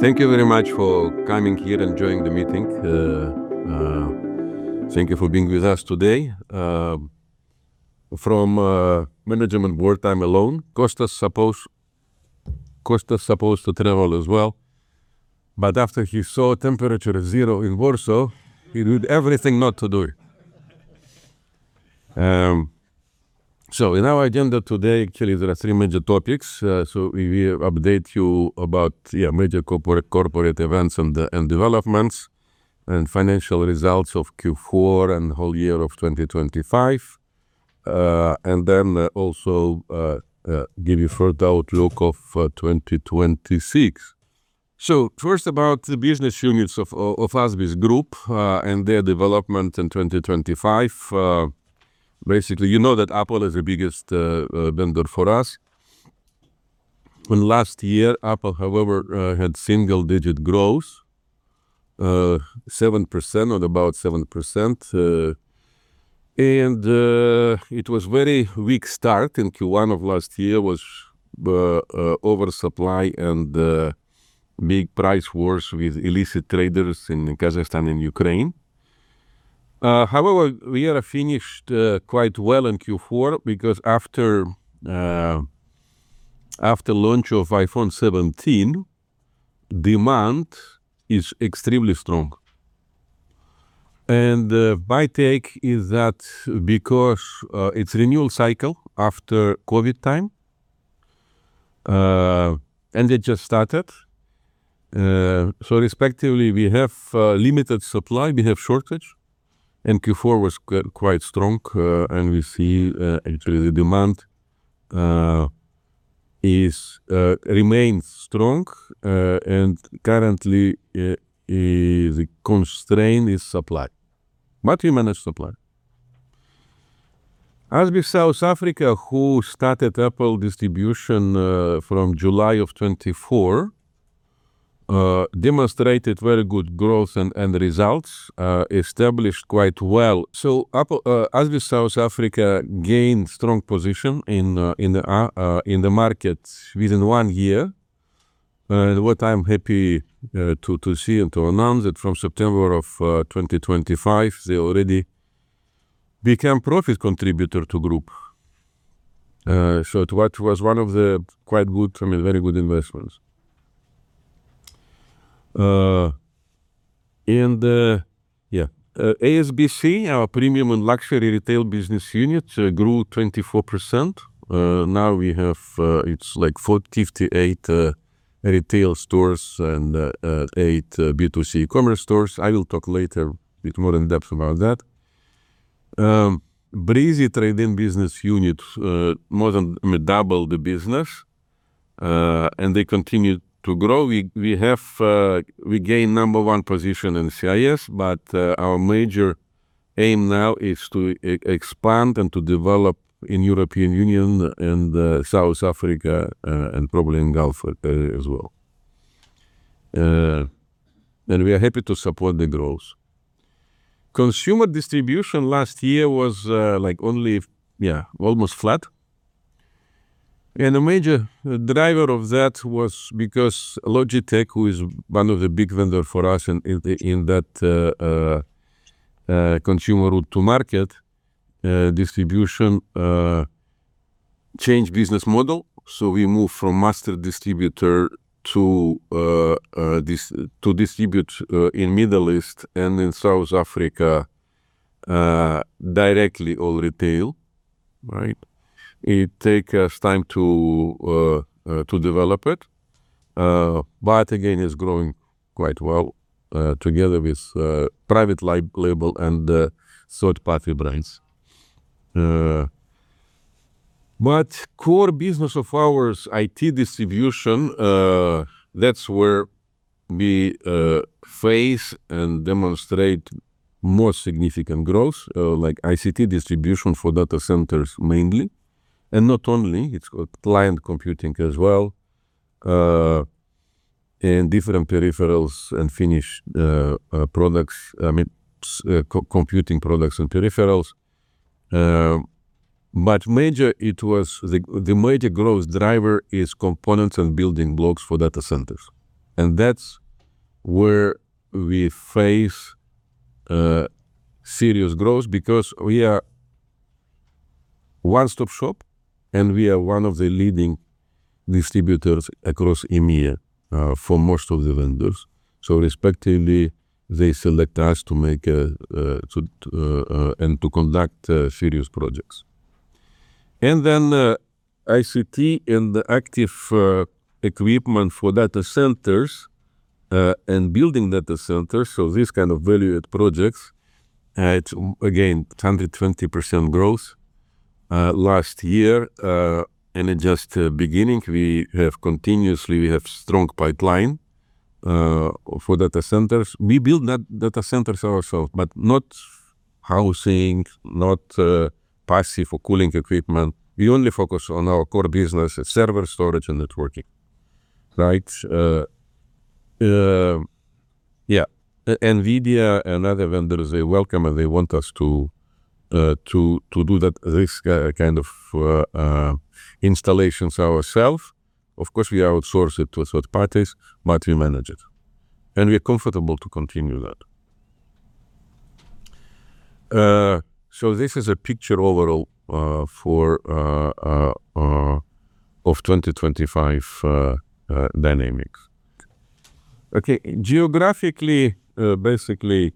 Thank you very much for coming here and joining the meeting. Thank you for being with us today. From management board time alone, Costas supposed to travel as well, but after he saw temperature zero in Warsaw, he did everything not to do it. In our agenda today, actually, there are three major topics. We will update you about major corporate events and developments, and financial results of Q4 and the whole year of 2025. Also give you further outlook of 2026. First, about the business units of ASBIS Group and their development in 2025. Basically, you know that Apple is the biggest vendor for us. Last year, Apple, however, had single digit growth, 7% or about 7%, and it was very weak start in Q1 of last year was oversupply and big price wars with illicit traders in Kazakhstan and Ukraine. However, we finished quite well in Q4 because after after launch of iPhone 17, demand is extremely strong. My take is that because it's renewal cycle after COVID time, and it just started, so respectively, we have limited supply, we have shortage, and Q4 was quite strong, and we see actually the demand is remains strong. Currently, the constraint is supply, but we manage supply. ASBIS South Africa, who started Apple distribution from July of 2024, demonstrated very good growth and results, established quite well. ASBIS South Africa gained strong position in the market within 1 year. What I'm happy to see and to announce that from September of 2025, they already became profit contributor to Group. To what was one of the quite good for me, very good investments. Yeah. ASBIS, our premium and luxury retail business unit, grew 24%. Now we have, it's like 58 retail stores and eight B2C commerce stores. I will talk later bit more in depth about that. Breezy trade-in business unit, more than, I mean, doubled the business, and they continue to grow. We have gained number one position in CIS. Our major aim now is to expand and to develop in European Union and South Africa and probably in Gulf as well. We are happy to support the growth. Consumer distribution last year was almost flat. The major driver of that was because Logitech, who is one of the big vendor for us in that consumer route to market distribution, changed business model. We moved from master distributor to distribute in Middle East and in South Africa directly all retail, right? It take us time to develop it, but again, is growing quite well together with private label and third-party brands. Core business of ours, IT distribution, that's where we face and demonstrate more significant growth, like ICT distribution for data centers mainly, and not only, it's got client computing as well, and different peripherals and finished products, I mean, co-computing products and peripherals. The major growth driver is components and building blocks for data centers, and that's where we face serious growth because we are one-stop shop, and we are one of the leading distributors across EMEA, for most of the vendors. Respectively, they select us to make to and to conduct serious projects. ICT and the active equipment for data centers and building data centers, so these kind of value add projects, it's again, 120% growth last year, and it just beginning. We have continuously, we have strong pipeline for data centers. We build data centers ourself, but not housing, not passive or cooling equipment. We only focus on our core business: server storage and networking, right? Yeah. NVIDIA and other vendors, they welcome and they want us to do this kind of installations ourself. Of course, we outsource it to third parties, but we manage it, and we are comfortable to continue that. This is a picture overall for of 2025 dynamics. Geographically, basically,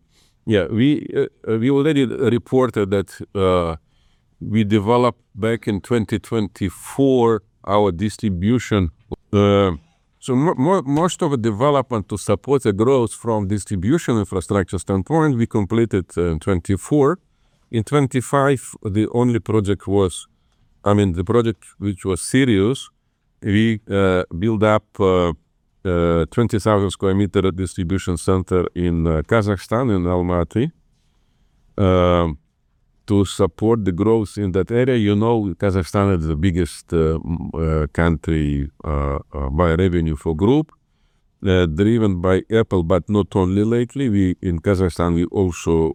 yeah, we already reported that we developed back in 2024 our distribution. Most of the development to support the growth from distribution infrastructure standpoint, we completed in 2024. In 2025, the only project was, I mean, the project which was serious, we build up 20,000 sq mi distribution center in Kazakhstan, in Almaty, to support the growth in that area. You know, Kazakhstan is the biggest country by revenue for group, driven by Apple, but not only lately. In Kazakhstan, we also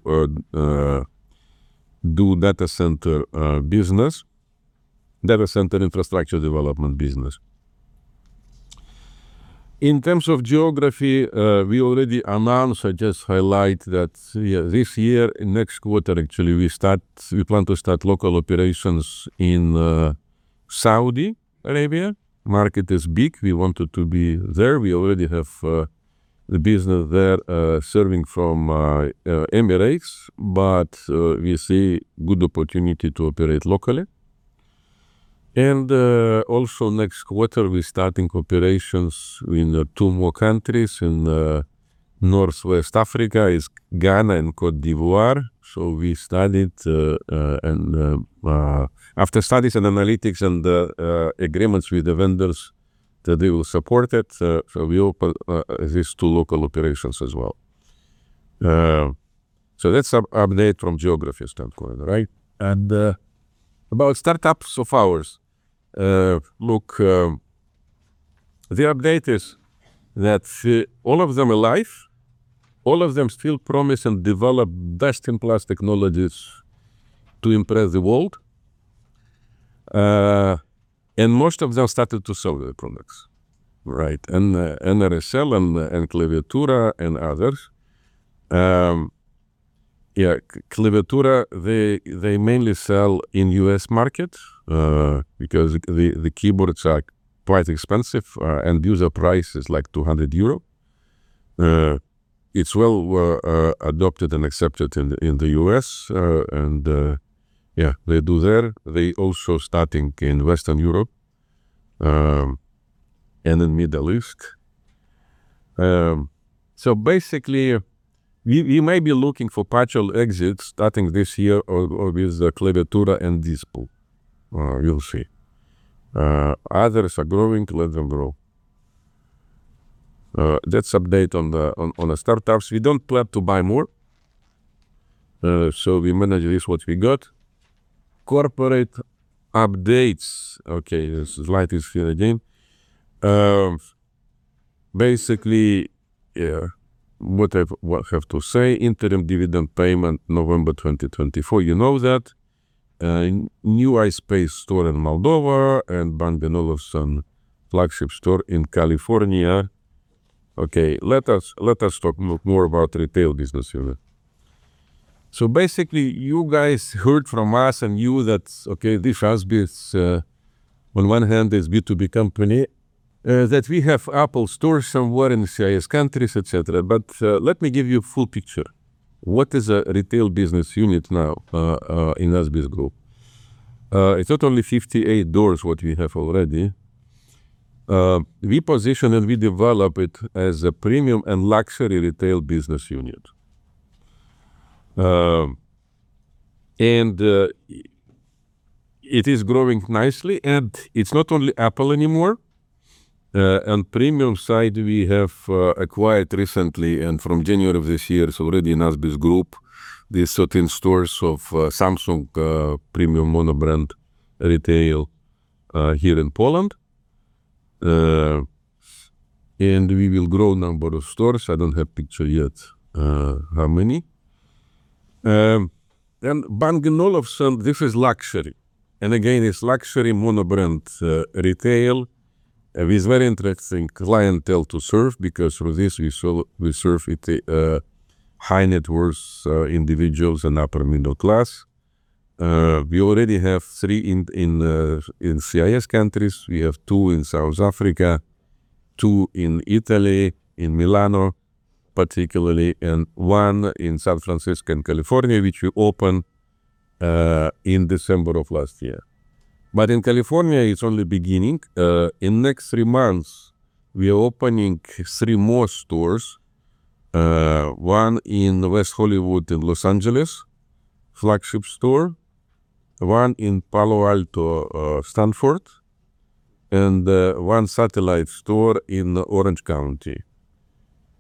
do data center business, data center infrastructure development business. In terms of geography, we already announced, I just highlight that, yeah, this year, in next quarter actually, we plan to start local operations in Saudi Arabia. Market is big. We wanted to be there. We already have the business there, serving from Emirates, we see good opportunity to operate locally. Also next quarter, we're starting operations in two more countries. In Northwest Africa is Ghana and Côte d'Ivoire. We started, after studies and analytics and agreements with the vendors that they will support it, so we open these two local operations as well. That's up-update from geography standpoint, right? About startups of ours, look, the update is that all of them are alive. All of them still promise and develop best-in-class technologies to impress the world. Most of them started to sell their products, right? NRSL and Clevetura and others. Yeah. Clevetura, they mainly sell in the U.S. market because the keyboards are quite expensive, and user price is like 200 euro. It's well adopted and accepted in the U.S. They do there. They also starting in Western Europe and in Middle East. Basically, we may be looking for partial exit starting this year or with Clevetura and DISPO. We'll see. Others are growing. Let them grow. That's update on the startups. We don't plan to buy more, we manage this, what we got. Corporate updates. Okay. This light is here again. Basically, yeah. What I have to say, interim dividend payment November 2024. You know that. New iSpace store in Moldova and Bang & Olufsen flagship store in California. Okay. Let us talk more about retail business unit. Basically, you guys heard from us and knew that, okay, this ASBIS, on one hand is B2B company, that we have Apple stores somewhere in CIS countries, et cetera. Let me give you full picture. What is a retail business unit now in ASBIS Group? It's not only 58 doors what we have already. We position and we develop it as a premium and luxury retail business unit. And it is growing nicely, and it's not only Apple anymore. On premium side, we have acquired recently, and from January of this year, it's already in ASBIS Group, these certain stores of Samsung premium mono-brand retail here in Poland. And we will grow number of stores. I don't have picture yet, how many. Bang & Olufsen, this is luxury. Again, it's luxury mono-brand retail with very interesting clientele to serve because through this we serve high net worth individuals and upper middle class. We already have 3 in CIS countries. We have two in South Africa, two in Italy, in Milano particularly, and one in San Francisco in California, which we opened in December of last year. In California, it's only beginning. In next three months, we are opening three more stores, one in West Hollywood in Los Angeles, flagship store, one in Palo Alto, Stanford, and 1 satellite store in Orange County.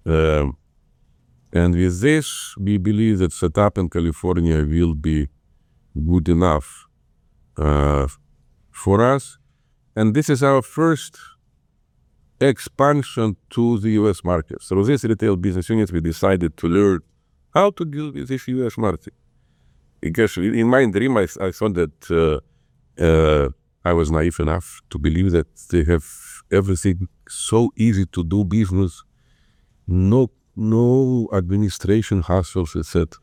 With this, we believe that setup in California will be good enough for us, and this is our first expansion to the U.S. market. Through this retail business unit, we decided to learn how to deal with this U.S. market. In my dream, I thought that I was naive enough to believe that they have everything so easy to do business. No, no administration hassles, et cetera.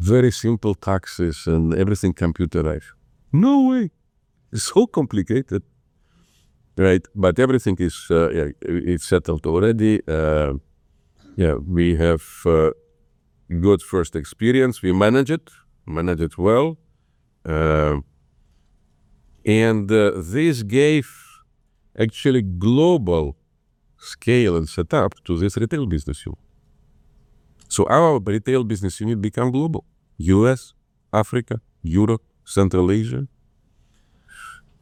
Very simple taxes and everything computerized. No way. It's so complicated, right? Everything is, yeah, it's settled already. Yeah, we have good first experience. We manage it well. This gave actually global scale and setup to this retail business unit. Our retail business unit become global, U.S., Africa, Europe, Central Asia.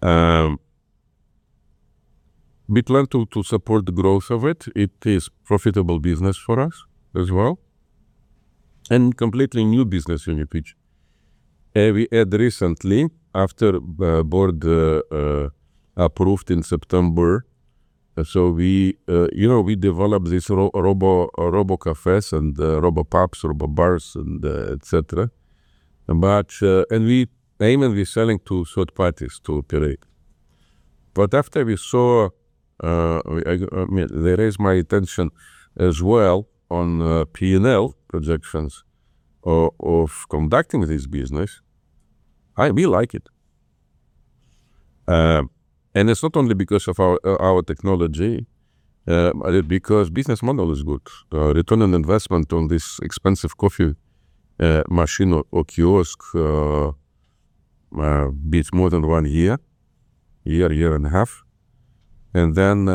We plan to support the growth of it. It is profitable business for us as well, and completely new business unit, which we had recently after board approved in September. We, you know, we developed this robo cafes and robo pubs, robo bars and et cetera. We aiming, we're selling to third parties to operate. After we saw, I mean, they raised my attention as well on P&L projections of conducting this business. We like it. It's not only because of our technology, but because business model is good. Return on investment on this expensive coffee machine or kiosk be it more than 1.5 year. Then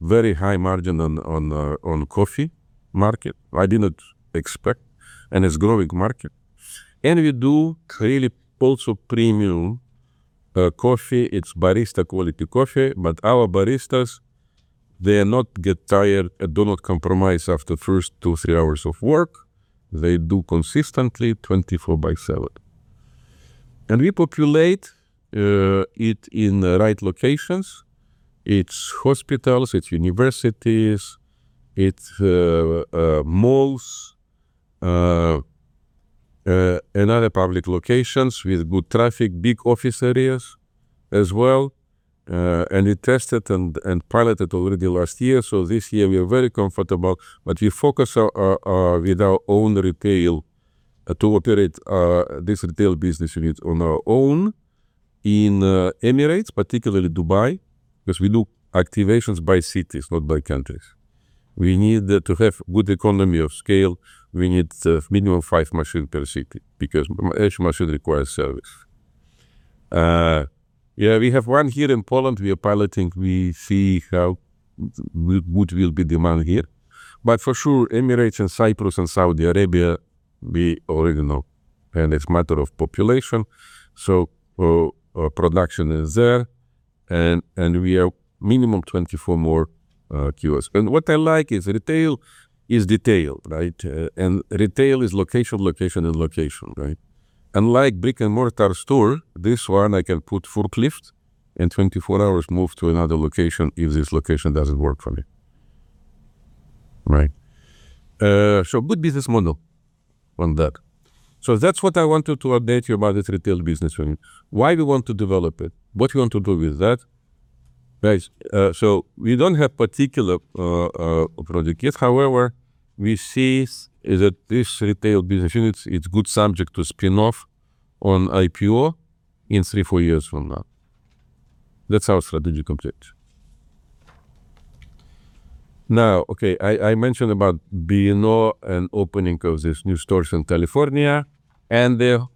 very high margin on coffee market. I did not expect, and it's growing market. We do really also premium coffee. It's barista quality coffee, our baristas, they are not get tired, do not compromise after first two, three hours of work. They do consistently 24 by 7. We populate it in the right locations. It's hospitals, it's universities, it's malls, and other public locations with good traffic, big office areas as well. We tested and piloted already last year. This year we are very comfortable. We focus our with our own retail to operate this retail business unit on our own in Emirates, particularly Dubai, because we do activations by cities, not by countries. We need to have good economy of scale. We need minimum five machine per city, because each machine requires service. Yeah, we have one here in Poland we are piloting. We see which will be demand here. For sure, Emirates and Cyprus and Saudi Arabia, we already know, and it's matter of population. Production is there. And we are minimum 24 more kiosks. What I like is retail is detail, right? Retail is location, and location, right? Unlike brick-and-mortar store, this one I can put forklift, in 24 hours move to another location if this location doesn't work for me, right? Good business model on that. That's what I wanted to update you about this retail business unit, why we want to develop it, what we want to do with that, right? We don't have particular product yet. However, we see is that this retail business unit, it's good subject to spin off on IPO in three, four years from now. That's our strategic object. Okay, I mentioned about B&O and opening of these new stores in California, and they have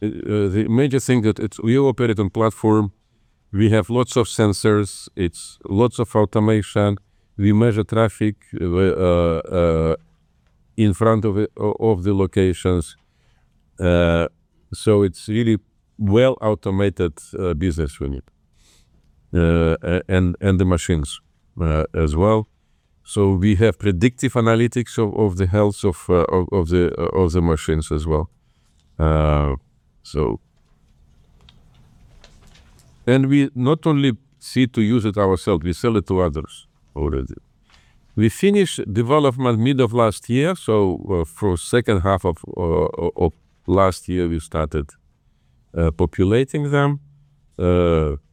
the major thing that we operate on platform. We have lots of sensors. It's lots of automation. We measure traffic in front of the locations. It's really well automated business unit. And the machines as well. We have predictive analytics of the health of the machines as well. We not only see to use it ourself, we sell it to others already. We finished development mid of last year. For second half of last year, we started populating them.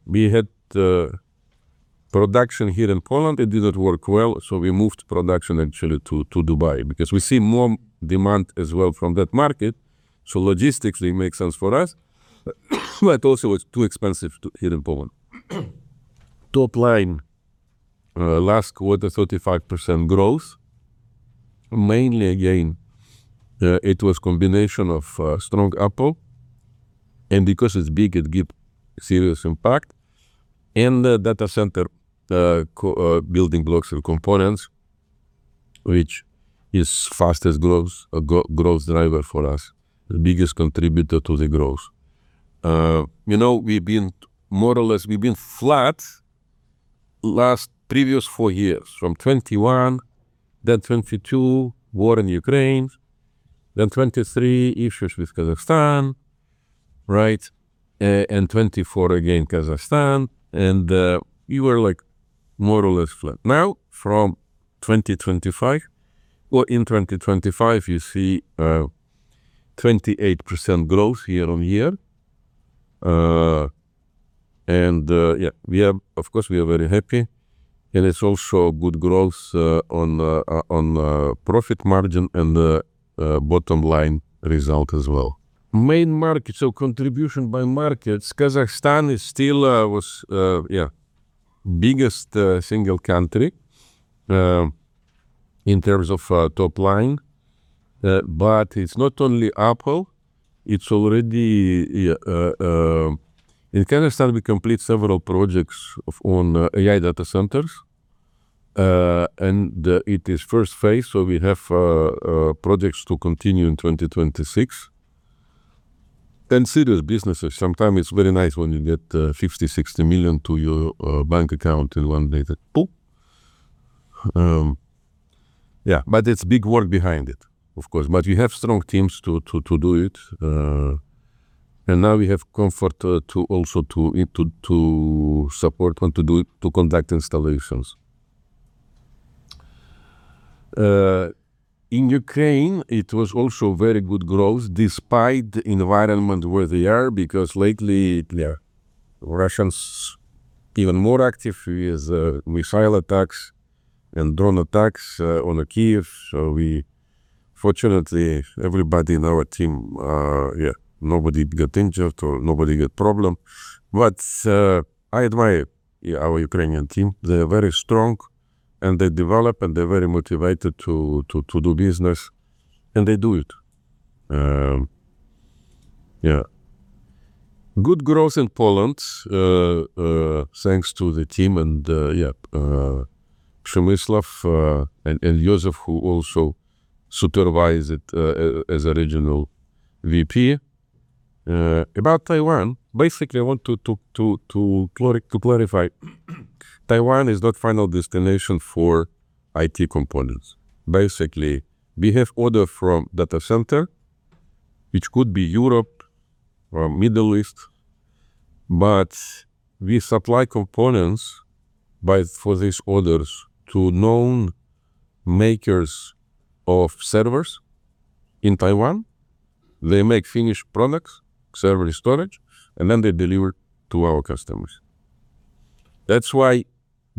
We had production here in Poland. It didn't work well. We moved production actually to Dubai because we see more demand as well from that market. Logistically makes sense for us, but also it's too expensive here in Poland. Top line, last quarter, 35% growth. Mainly, again, it was combination of strong Apple, because it's big, it give serious impact. The data center building blocks or components, which is fastest growth driver for us, the biggest contributor to the growth. You know, we've been more or less, we've been flat last previous year years, from 2021. 2022 war in Ukraine. 2023 issues with Kazakhstan, right? 2024 again, Kazakhstan, we were like more or less flat. Now, from 2025 or in 2025, you see 28% growth year-on-year. We are of course very happy, and it's also good growth on profit margin and bottom line result as well. Main markets or contribution by markets, Kazakhstan is still biggest single country in terms of top line. It's not only Apple, it's already in Kazakhstan, we complete several projects on AI data centers, it is first phase, so we have projects to continue in 2026. Consider businesses. Sometime it's very nice when you get $50 million-$60 million to your bank account in one day. That boop. It's big work behind it, of course, but we have strong teams to do it. Now we have comfort to also to support and to conduct installations. In Ukraine, it was also very good growth despite environment where they are, because lately they are Russians even more active with missile attacks and drone attacks on Kyiv. Fortunately, everybody in our team, nobody got injured or nobody got problem. I admire our Ukrainian team. They're very strong, and they develop, and they're very motivated to do business, and they do it. Good growth in Poland thanks to the team and Przemysław and Jozef, who also supervise it as a Regional VP. About Taiwan, basically I want to clarify, Taiwan is not final destination for IT components. Basically, we have order from data center, which could be Europe or Middle East, but we supply components for these orders to known makers of servers in Taiwan. Then they deliver to our customers. That's why,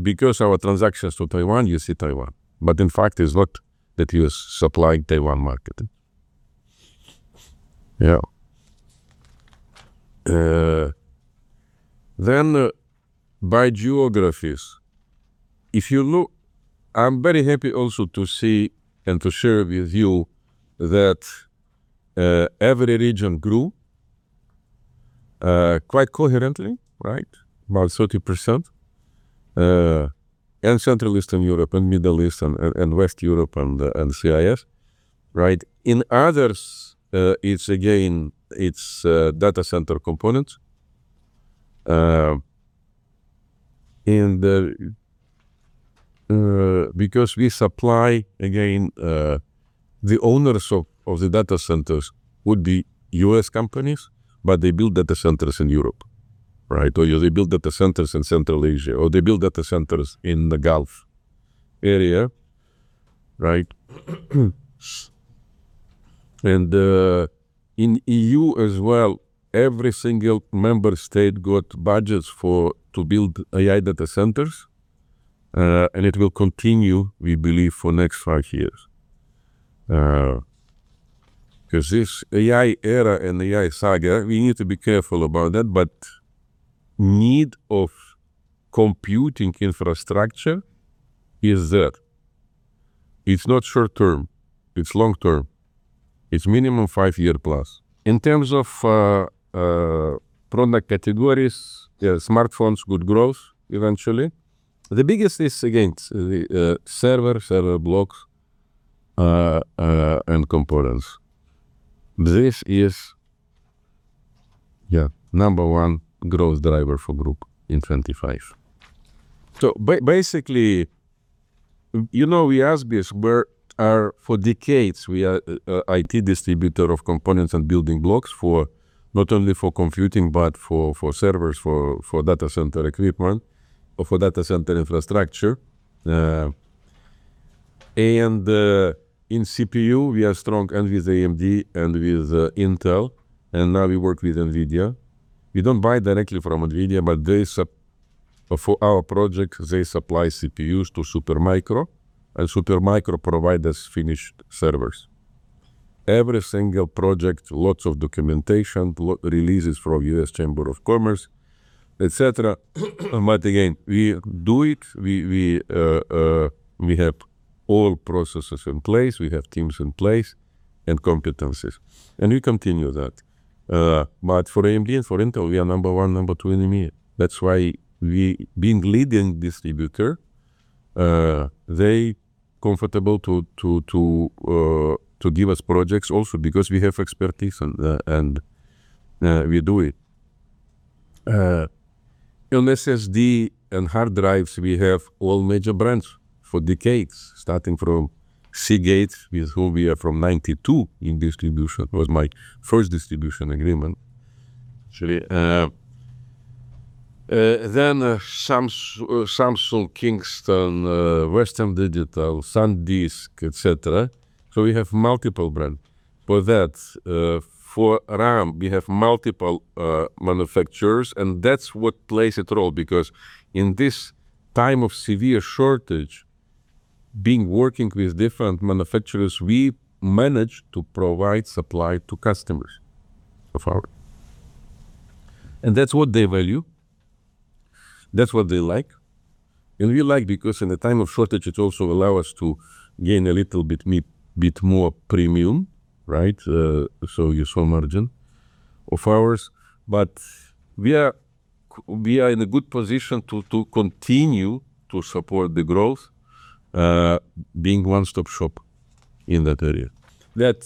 because our transactions to Taiwan, you see Taiwan, but in fact, it's not that we are supplying Taiwan market. Yeah. By geographies, if you look... I'm very happy also to see and to share with you that every region grew quite coherently, right? About 30%, Central Eastern Europe and Middle East and West Europe and CIS, right? In others, it's again, it's data center components. Because we supply again, the owners of the data centers would be U.S. companies, but they build data centers in Europe, right? They build data centers in Central Asia, or they build data centers in the Gulf area, right? In EU as well, every single member state got budgets to build AI data centers, and it will continue, we believe, for next five years. 'Cause this AI era and AI saga, we need to be careful about that, need of computing infrastructure is there. It's not short term. It's long term. It's minimum 5+ year. In terms of product categories, yeah, smartphones good growth eventually. The biggest is, again, the server blocks and components. This is, yeah, number one growth driver for Group in 2025. Basically, you know, we ASBIS, are for decades, we are IT distributor of components and building blocks for not only for computing, but for servers, for data center equipment or for data center infrastructure. In CPU, we are strong and with AMD and with Intel, and now we work with NVIDIA. We don't buy directly from NVIDIA, but for our project, they supply CPUs to Supermicro, and Supermicro provide us finished servers. Every single project, lots of documentation, releases from U.S. Chamber of Commerce, et cetera. Again, we do it. We have all processes in place. We have teams in place and competencies, and we continue that. For AMD and for Intel, we are number one, number two in EMEA. That's why we being leading distributor, they comfortable to, to give us projects also because we have expertise and now we do it. On SSD and hard drives we have all major brands for decades, starting from Seagate with who we are from 1992 in distribution. It was my first distribution agreement actually. Then Samsung, Kingston, Western Digital, SanDisk, et cetera. We have multiple brand for that. For RAM we have multiple manufacturers, and that's what plays a role because in this time of severe shortage, being working with different manufacturers, we manage to provide supply to customers of ours. That's what they value. That's what they like. We like because in the time of shortage, it also allow us to gain a little bit more premium, right? Your sole margin of ours. We are in a good position to continue to support the growth, being one-stop shop in that area.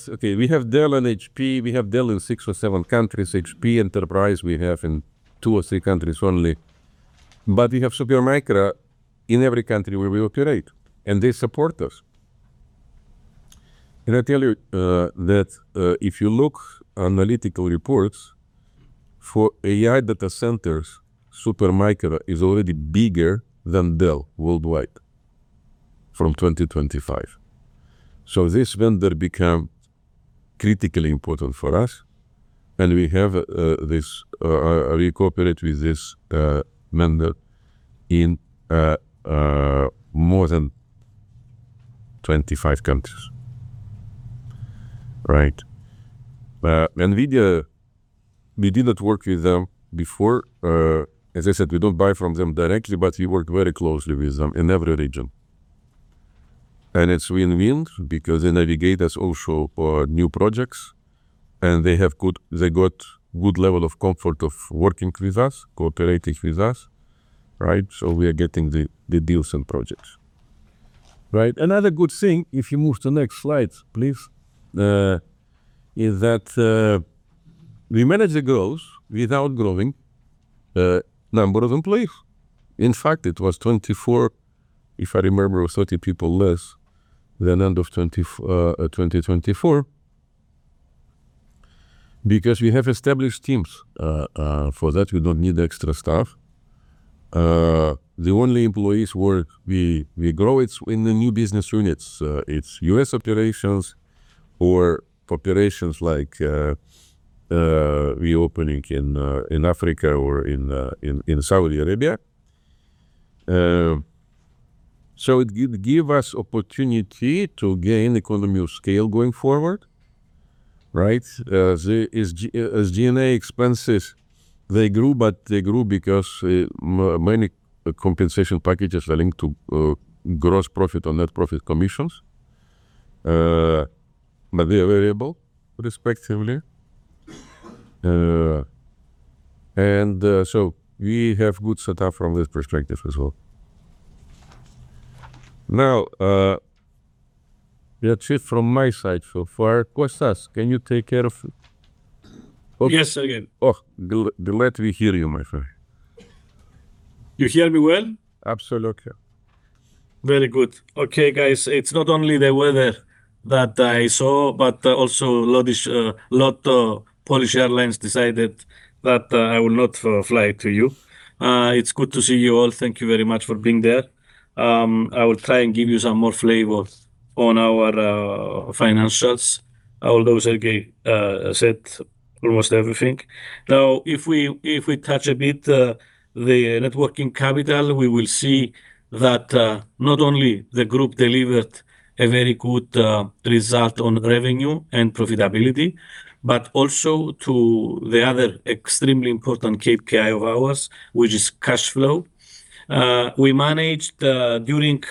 Okay, we have Dell and HP. We have Dell in six or seven countries. HP Enterprise we have in two or three countries only. We have Supermicro in every country where we operate, and they support us. I tell you that if you look analytical reports for AI data centers, Supermicro is already bigger than Dell worldwide from 2025. This vendor become critically important for us, and we have this, we cooperate with this vendor in more than 25 countries. Right. NVIDIA, we did not work with them before. As I said, we don't buy from them directly. We work very closely with them in every region. It's win-win because they navigate us also for new projects, and they got good level of comfort of working with us, cooperating with us, right? We are getting the deals and projects. Right. Another good thing, if you move to next slide, please, is that we manage the growth without growing number of employees. In fact, it was 24, if I remember, or 30 people less than end of 2024 because we have established teams. For that we don't need extra staff. The only employees where we grow it's in the new business units. It's U.S. operations or populations like we opening in Africa or in Saudi Arabia. It give us opportunity to gain economy of scale going forward, right. As SG&A expenses, they grew, but they grew because many compensation packages are linked to gross profit or net profit commissions, but they are variable respectively. We have good setup from this perspective as well. Now, that's it from my side so far. Costas, can you take care of. Yes, Siarhei. Oh, glad we hear you, my friend. You hear me well? Absolutely. Very good. Okay, guys, it's not only the weather that I saw, but also LOT Polish Airlines decided that I will not fly to you. It's good to see you all. Thank you very much for being there. I will try and give you some more flavor on our financials, although Siarhei said almost everything. If we touch a bit the networking capital, we will see that not only the group delivered a very good result on revenue and profitability, but also to the other extremely important KPI of ours, which is cash flow. We managed during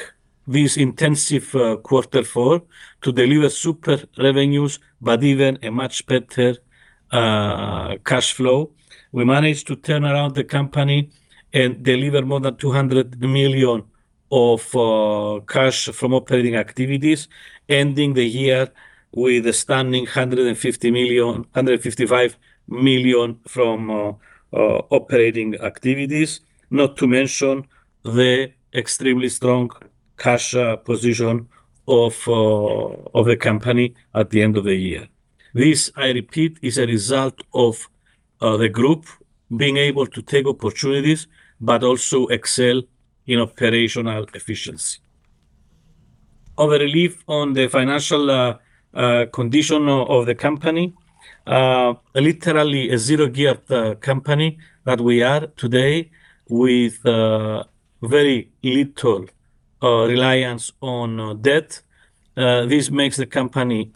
this intensive quarter four to deliver super revenues, but even a much better cash flow. We managed to turn around the company and deliver more than $200 million of cash from operating activities, ending the year with a stunning $155 million from operating activities. Not to mention the extremely strong cash position of the company at the end of the year. This, I repeat, is a result of the group being able to take opportunities but also excel in operational efficiency. Of a relief on the financial condition of the company, literally a zero-gear company that we are today with very little reliance on debt. This makes the company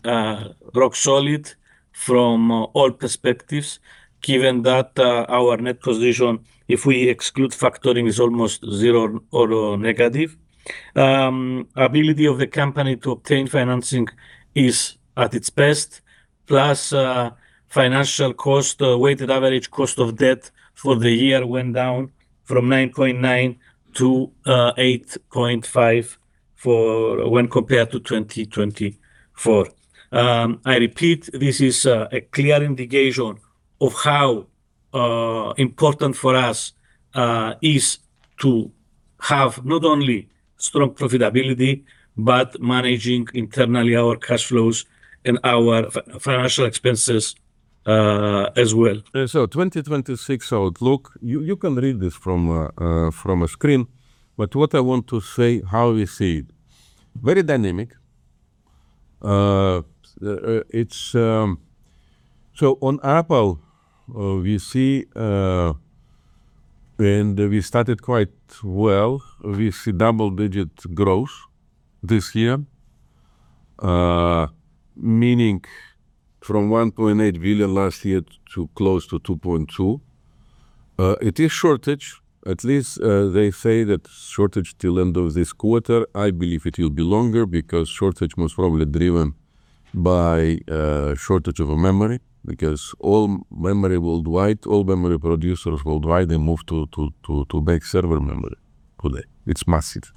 rock solid from all perspectives, given that our net position, if we exclude factoring, is almost zero or negative. Ability of the company to obtain financing is at its best, plus, financial cost, weighted average cost of debt for the year went down from 9.9-8.5. When compared to 2024. I repeat, this is a clear indication of how important for us is to have not only strong profitability, but managing internally our cash flows and our financial expenses as well. 2026 outlook, you can read this from a screen, but what I want to say how we see it. Very dynamic. On Apple, we see, and we started quite well. We see double-digit growth this year, meaning from $1.8 billion last year to close to $2.2 billion. It is shortage, at least, they say that shortage till end of this quarter. I believe it will be longer because shortage most probably driven by shortage of a memory because all memory worldwide, all memory producers worldwide, they move to make server memory today. It's massive,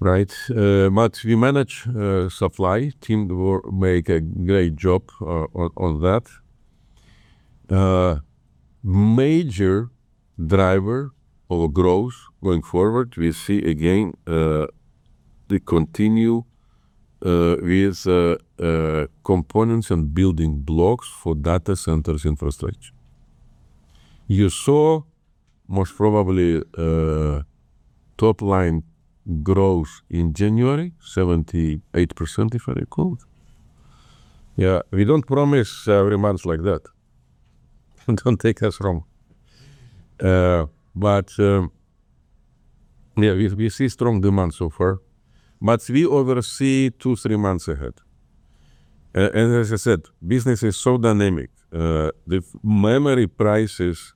right? But we manage supply. Team make a great job on that. Major driver of growth going forward, we see again, the continue with components and building blocks for data centers infrastructure. You saw most probably top line growth in January, 78% if I recall. Yeah, we don't promise every month like that. Don't take us wrong. Yeah, we see strong demand so far, but we oversee two, three months ahead. As I said, business is so dynamic. The memory prices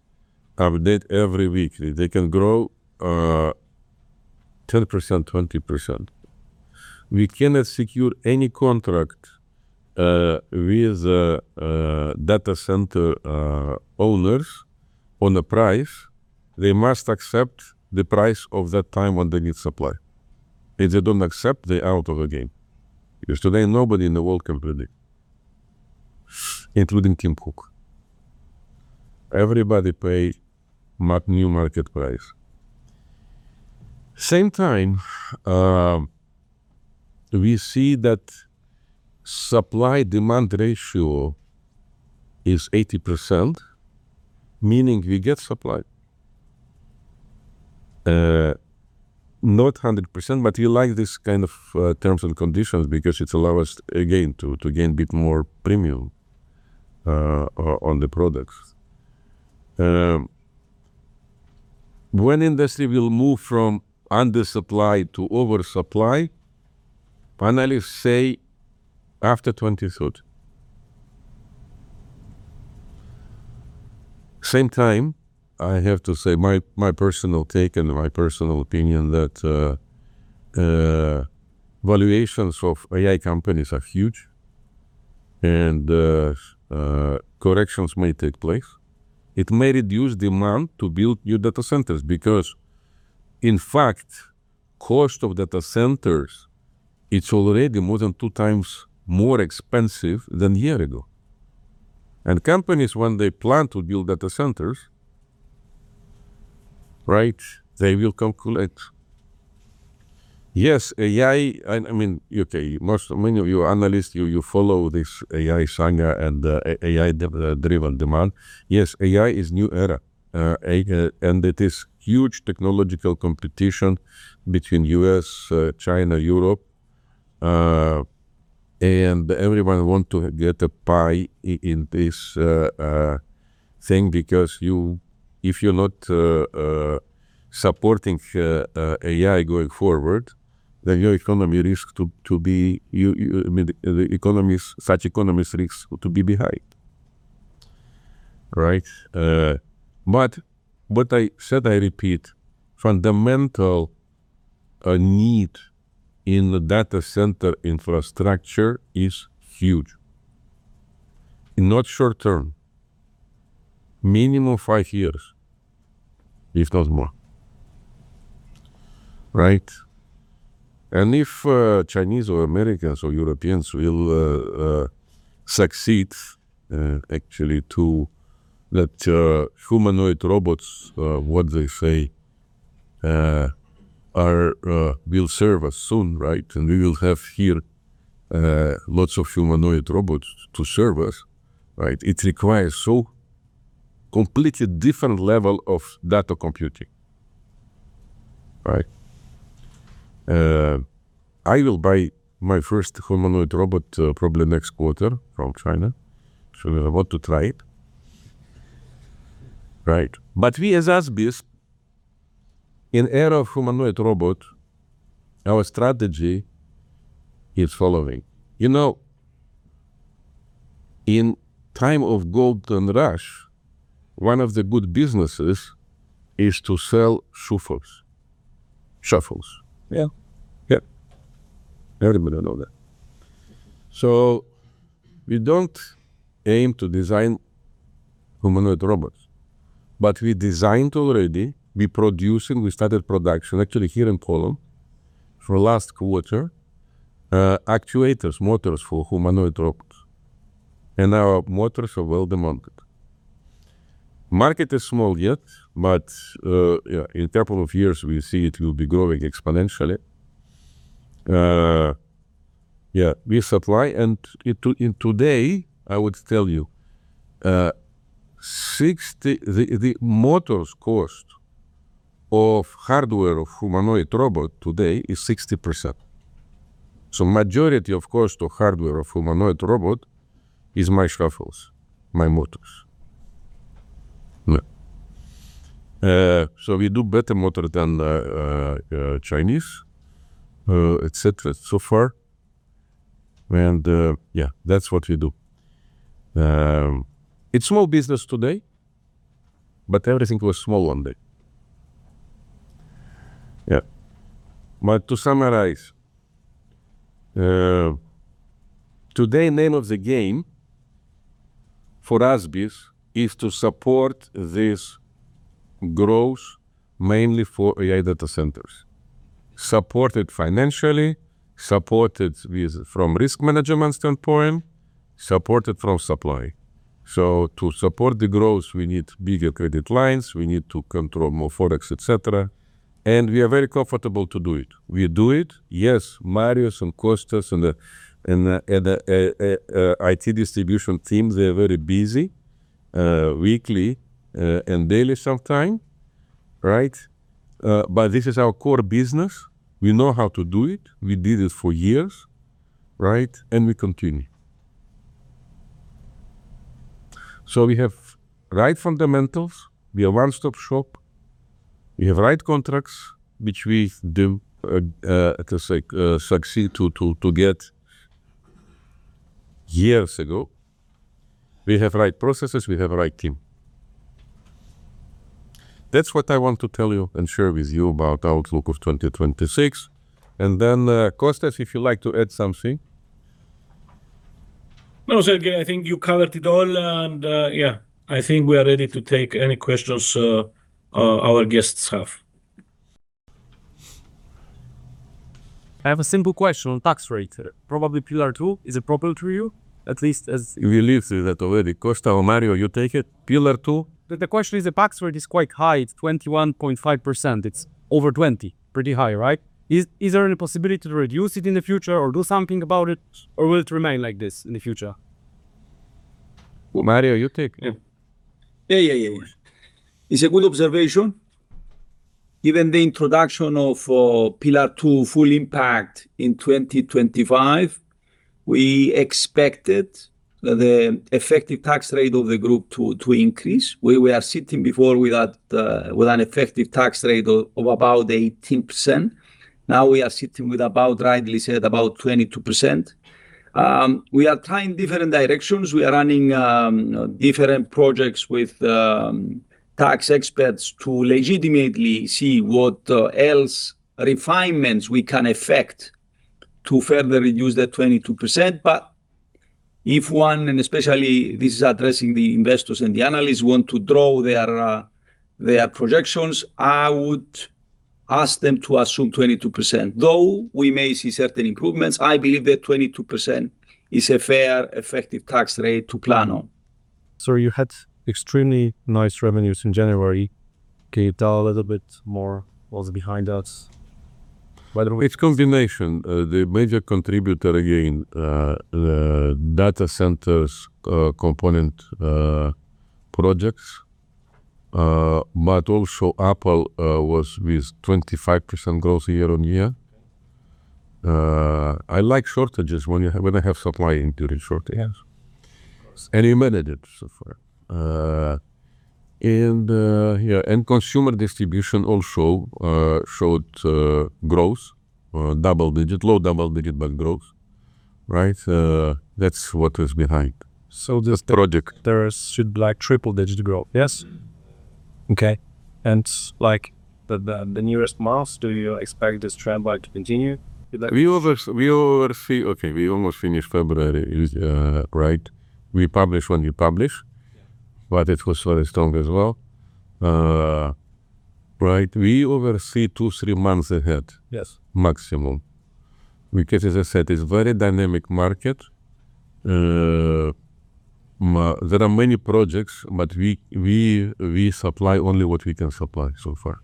update every week. They can grow 10%, 20%. We cannot secure any contract with data center owners on the price. They must accept the price of that time when they need supply. If they don't accept, they're out of the game. Today nobody in the world can predict, including Tim Cook. Everybody pay new market price. Same time, we see that supply-demand ratio is 80%, meaning we get supply. Not 100%, but we like this kind of terms and conditions because it allow us again to gain a bit more premium on the products. When industry will move from undersupply to oversupply, finally say after 2030. Same time, I have to say my personal take and my personal opinion that valuations of AI companies are huge and corrections may take place. It may reduce demand to build new data centers because in fact, cost of data centers, it's already more than 2x more expensive than a year ago. Companies when they plan to build data centers, right, they will calculate. Yes, I mean, okay, many of you are analysts. You follow this AI saga and AI-driven demand. Yes, AI is new era. And it is huge technological competition between U.S., China, Europe, and everyone want to get a pie in this thing because if you're not supporting AI going forward, then your economy risk to be I mean, such economies risks to be behind, right? But what I said, I repeat, fundamental need in the data center infrastructure is huge. Not short term, minimum five years, if not more, right? And if Chinese or Americans or Europeans will succeed actually to let humanoid robots what they say are will serve us soon, right? And we will have here lots of humanoid robots to serve us, right? It requires so completely different level of data computing, right? I will buy my first humanoid robot, probably next quarter from China. We want to try it, right? We as ASBIS, in era of humanoid robot, our strategy is following. You know, in time of gold rush, one of the good businesses is to sell shovels. Shovels. Yeah. Yeah. Everybody know that. We don't aim to design humanoid robots, but we designed already, we producing, we started production actually here in Poland for last quarter, actuators, motors for humanoid robots. Our motors are well-demanded. Market is small yet, but, yeah, in couple of years we see it will be growing exponentially. Yeah, we supply. Today, I would tell you, the motors cost of hardware of humanoid robot today is 60%. Majority of cost of hardware of humanoid robot is my shuffles, my motors. Yeah. We do better motor than the Chinese, etcetera so far. Yeah, that's what we do. It's small business today, but everything was small one day. Yeah. To summarize, today name of the game for ASBIS is to support this growth mainly for AI data centers. Support it financially, support it with from risk management standpoint, support it from supply. To support the growth, we need bigger credit lines, we need to control more Forex, etc., and we are very comfortable to do it. We do it. Yes, Marios and Costas and the IT distribution team, they're very busy weekly and daily sometime, right? This is our core business. We know how to do it. We did it for years, right? We continue. We have right fundamentals. We are one-stop shop. We have right contracts, which we do to succeed to get years ago. We have right processes, we have right team. That's what I want to tell you and share with you about outlook of 2026. Costas, if you'd like to add something. Siarhei, I think you covered it all, and, yeah, I think we are ready to take any questions our guests have. I have a simple question on tax rate. Probably Pillar Two is appropriate to you, at least as We lived through that already. Costas or Marios, you take it? Pillar Two. The question is the tax rate is quite high. It's 21.5%. It's over 20%. Pretty high, right? Is there any possibility to reduce it in the future or do something about it, or will it remain like this in the future? Marios, you take? Yeah. Yeah. Yeah. Yeah. It's a good observation. Given the introduction of Pillar Two full impact in 2025, we expected the effective tax rate of the group to increase, where we are sitting before with that with an effective tax rate of about 18%. Now we are sitting with rightly said, about 22%. We are trying different directions. We are running different projects with tax experts to legitimately see what else refinements we can effect to further reduce that 22%. If one, and especially this is addressing the investors and the analysts who want to draw their projections, I would ask them to assume 22%. Though we may see certain improvements, I believe that 22% is a fair effective tax rate to plan on. You had extremely nice revenues in January. Can you tell a little bit more what's behind that? Whether we It's combination. The major contributor again, the data centers, component, projects. Also Apple was with 25% growth year-over-year. I like shortages when I have supply during shortage. Yeah. Of course. We managed it so far. Yeah, and consumer distribution also showed growth, double digit, low double digit but growth, right? That's what was behind. So this This project should like triple digit growth, yes? Okay. Like the nearest months, do you expect this trend like to continue? We oversee. Okay, we almost finished February with, right? We publish when we publish. It was very strong as well. Right? We oversee two, three months ahead. Yes. Maximum. As I said, it's very dynamic market. There are many projects, we supply only what we can supply so far.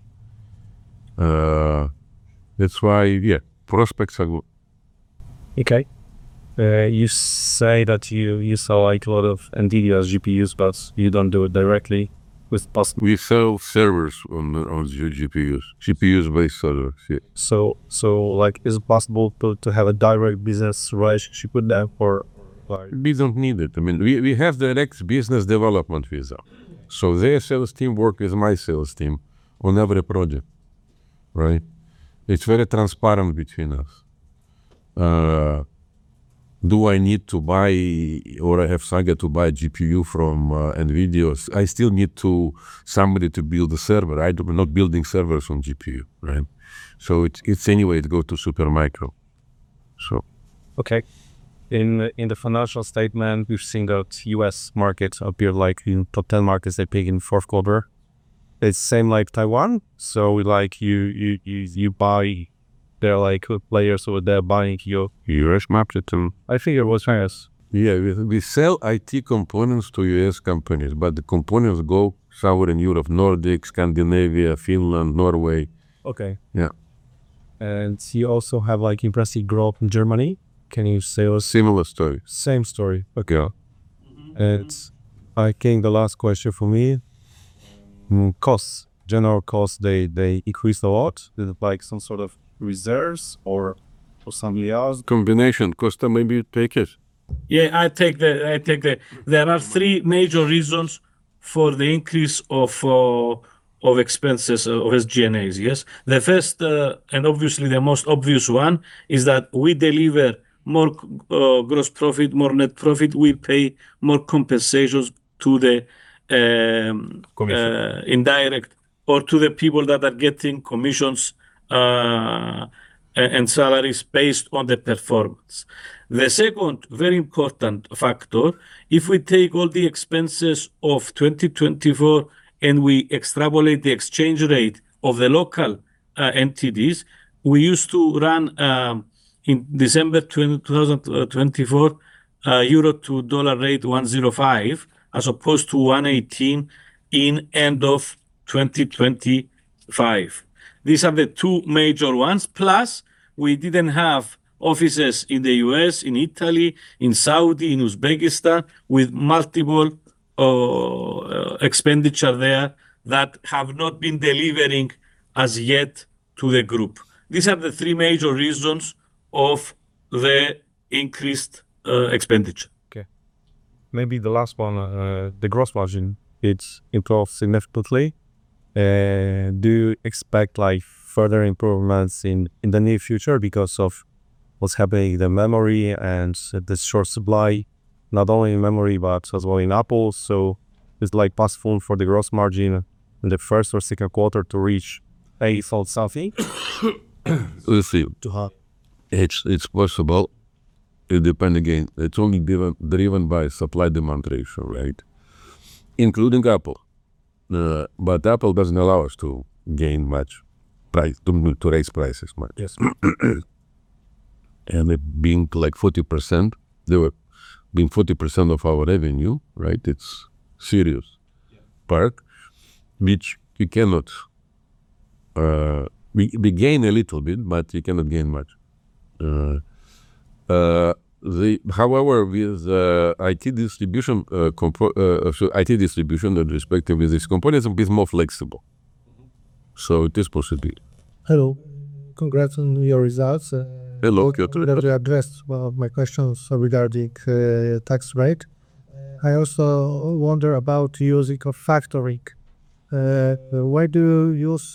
That's why, yeah, prospects are good. Okay. you say that you sell like a lot of NVIDIA's GPUs, but you don't do it directly with. We sell servers on GPUs. GPUs-based servers, yeah. Like is it possible to have a direct business relationship with them or like? We don't need it. I mean, we have direct business development with them. Their sales team work with my sales team on every project, right? It's very transparent between us. Do I need to buy or I have saga to buy GPU from NVIDIA? I still need somebody to build a server, right? We're not building servers on GPU, right? It's anyway to go to Supermicro. Sure. Okay. In the financial statement, we've seen that U.S. market appear like in top 10 markets they pick in fourth quarter. It's same like Taiwan, so we like you buy their, like, players over there buying. U.S. market. I think it was U.S. Yeah, we sell IT components to U.S. companies. The components go somewhere in Europe, Nordic, Scandinavia, Finland, Norway. Okay. Yeah. You also have, like, impressive growth in Germany. Can you say. Similar story. Same story. Okay. Yeah. I think the last question for me, costs. General costs, they increased a lot with like some sort of reserves or something else. Combination. Costas, maybe you take it. I take the. There are three major reasons for the increase of expenses or SG&A, yes? The first, obviously the most obvious one is that we deliver more gross profit, more net profit, we pay more compensations to the. Commission Indirect or to the people that are getting commissions, and salaries based on the performance. The second very important factor, if we take all the expenses of 2024 and we extrapolate the exchange rate of the local entities, we used to run in December 2024, EUR to dollar rate 1.05 as opposed to 1.18 in end of 2025. These are the two major ones, plus we didn't have offices in the U.S., in Italy, in Saudi, in Uzbekistan with multiple expenditure there that have not been delivering as yet to the group. These are the three major reasons of the increased expenditure. Okay. Maybe the last one, the gross margin, it's improved significantly. Do you expect, like, further improvements in the near future because of what's happening in the memory and the short supply, not only in memory, but as well in Apple? Is, like, possible for the gross margin in the first or second quarter to reach eight or something? We'll see. To have. It's possible. It depend again. It's only driven by supply-demand ratio, right? Including Apple. Apple doesn't allow us to gain much price, to raise prices much. Yes. it being like 40%, being 40% of our revenue, right? It's serious part which you cannot, we gain a little bit, but you cannot gain much. However, with IT distribution and respectively these components will be more flexible. It is possible. Hello. Congrats on your results. Hello, Piotr. You addressed one of my questions regarding tax rate. I also wonder about using of factoring. Why do you use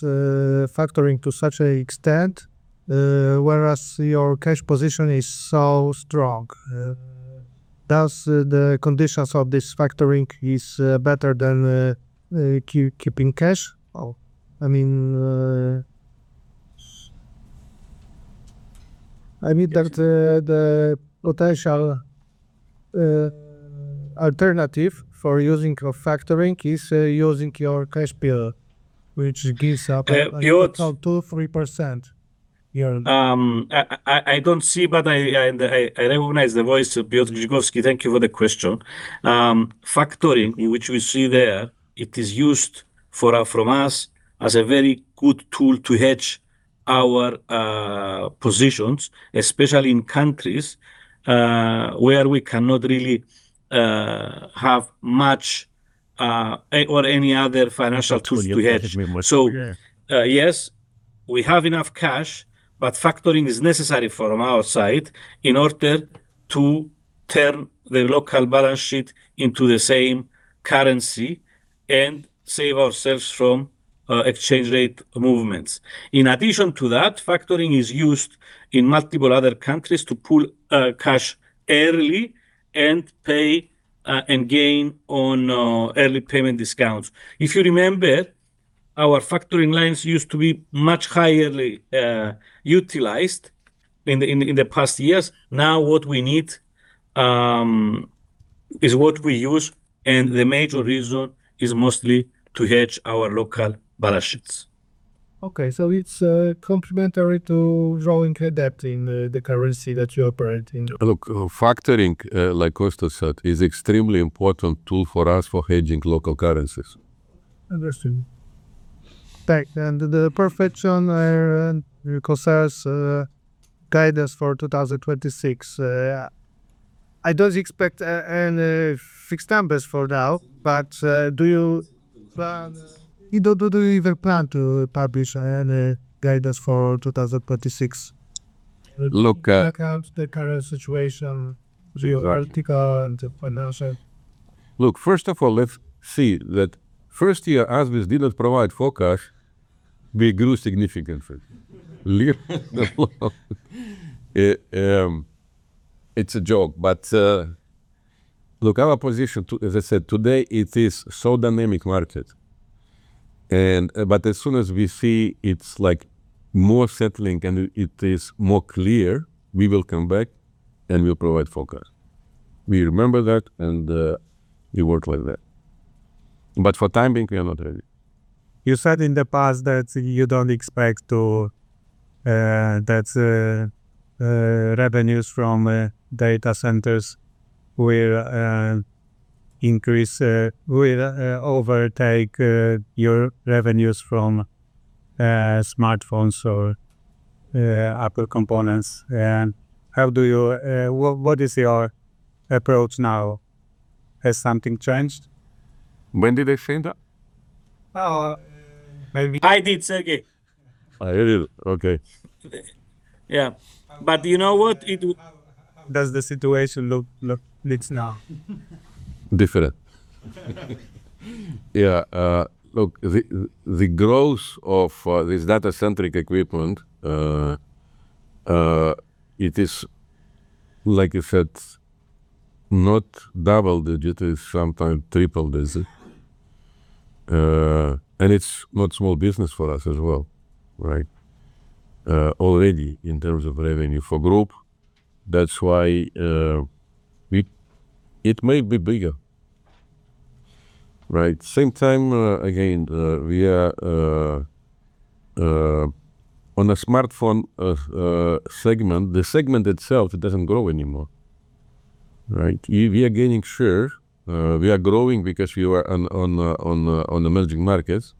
factoring to such a extent, whereas your cash position is so strong? Does the conditions of this factoring is better than keeping cash? Or, I mean the potential, alternative for using of factoring is, using your cash bill. Piotr Like total 2%-3% yearly. I don't see, but I recognize the voice of Piotr Grzybowski. Thank you for the question. Factoring, which we see there, it is used for us as a very good tool to hedge our positions, especially in countries where we cannot really have much or any other financial tools to hedge. Tools to hedge, yeah. Yes, we have enough cash, but factoring is necessary from our side in order to turn the local balance sheet into the same currency and save ourselves from exchange rate movements. In addition to that, factoring is used in multiple other countries to pull cash early and pay and gain on early payment discounts. If you remember, our factoring lines used to be much highly utilized in the past years. What we need is what we use, and the major reason is mostly to hedge our local balance sheets. Okay. It's complementary to drawing adapt in the currency that you operate in. Look, factoring, like Costas said, is extremely important tool for us for hedging local currencies. Understood. Thanks. The perfection concerns guidance for 2026. I don't expect any fixed numbers for now, but do you even plan to publish any guidance for 2026? Look, Taking into account the current situation. Exactly Geopolitical and financial. Look, first of all, let's see that first year ASBIS did not provide forecast, we grew significantly. It's a joke, but, look, our position as I said, today it is so dynamic market. As soon as we see it's, like, more settling and it is more clear, we will come back and we'll provide forecast. We remember that, and, we work like that. For time being, we are not ready. You said in the past that you don't expect to that the revenues from data centers will increase, will overtake your revenues from smartphones or Apple components. What is your approach now? Has something changed? When did I say that? Oh, maybe- I did, Siarhei. Oh, you did. Okay. Yeah. You know what? It How does the situation looks now? Different. Yeah. Look, the growth of this data-centric equipment, it is, like you said, not double-digit. It's sometime triple-digit. It's not small business for us as well, right? Already in terms of revenue for Group, that's why. It may be bigger, right? Same time, again, we are on a smartphone segment, the segment itself, it doesn't grow anymore, right? We are gaining share. We are growing because we are on emerging markets.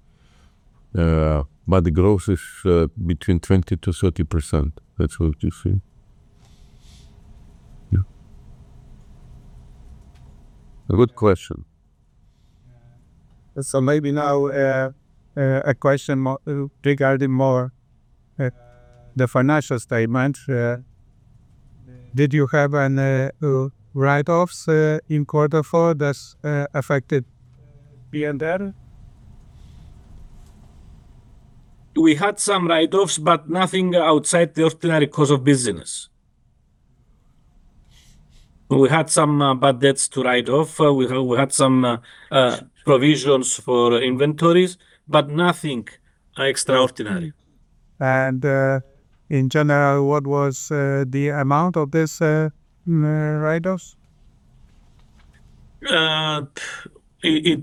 But the growth is between 20%-30%. That's what you see. Yeah. A good question. Maybe now, a question regarding more, the financial statement. Did you have an write-offs in quarter four that's affected P&L? We had some write-offs, but nothing outside the ordinary course of business. We had some bad debts to write off. We had some provisions for inventories, but nothing extraordinary. In general, what was the amount of this write-offs? It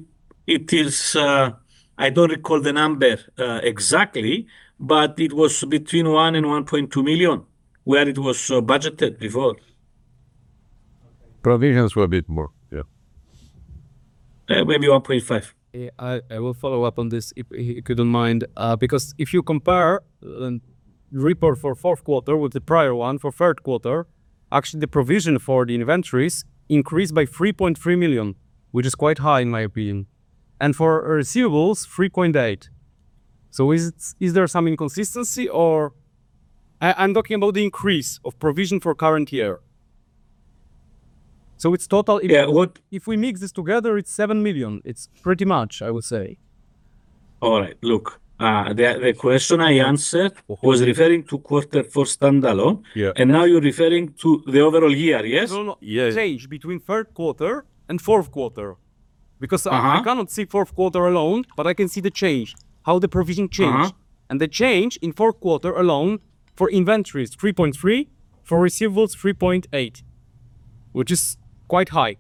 is, I don't recall the number, exactly, but it was between $1 million and $1.2 million, where it was budgeted before. Provisions were a bit more. Yeah. maybe 1.5. Yeah. I will follow up on this if you couldn't mind. Because if you compare an report for fourth quarter with the prior one for third quarter, actually the provision for the inventories increased by $3.3 million, which is quite high in my opinion. For receivables, $3.8 million. Is there some inconsistency or... I'm talking about the increase of provision for current year. It's total- Yeah. If we mix this together, it's $7 million. It's pretty much, I would say. All right. Look, the question I answered- Mm-hmm was referring to quarter four standalone. Yeah. Now you're referring to the overall year, yes? No, no. Yes. Change between third quarter and fourth quarter. Uh-huh I cannot see fourth quarter alone, but I can see the change, how the provision changed. Uh-huh. The change in fourth quarter alone for inventories, $3.3, for receivables, $3.8, which is quite high.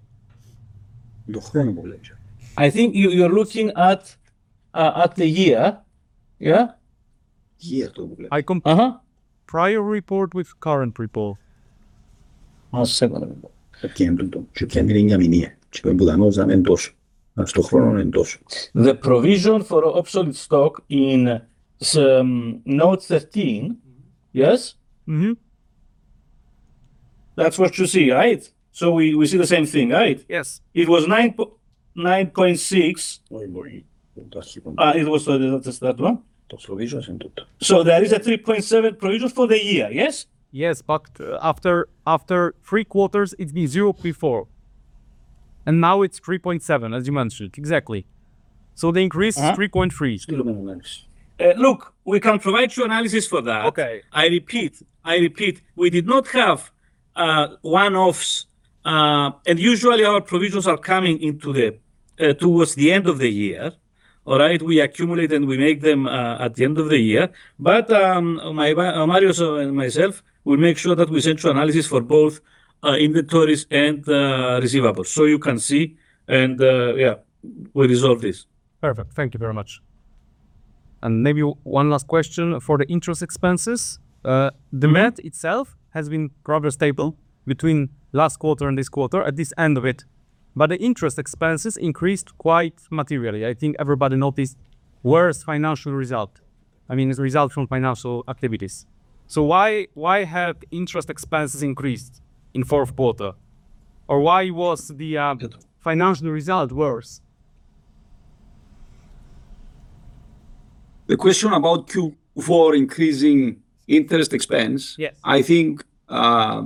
The whole picture. I think you're looking at the year. Yeah? Year total. I comp- Uh-huh... prior report with current report. Second report. Okay. Don't... The provision for obsolete stock in note 13. Mm-hmm. Yes? Mm-hmm. That's what you see, right? We see the same thing, right? Yes. It was 9.6. Wait, wait. That's. It was, that one.... those provisions into that. There is a $3.7 provision for the year, yes? Yes, after three quarters, it's been 0 before, and now it's 3.7 as you mentioned. Exactly. Uh-huh... is 3.3. Still movements. look, we can provide you analysis for that. Okay. I repeat, we did not have one-offs. Usually our provisions are coming into the towards the end of the year. All right? We accumulate and we make them at the end of the year. My Marios and myself, we make sure that we send you analysis for both inventories and receivables, so you can see. Yeah, we resolve this. Perfect. Thank you very much. Maybe one last question for the interest expenses. Mm-hmm... the math itself has been rather stable between last quarter and this quarter at this end of it, the interest expenses increased quite materially. I think everybody noticed worse financial result. I mean, as a result from financial activities. Why have interest expenses increased in fourth quarter? Why was the financial result worse? The question about Q4 increasing interest expense Yes... I think,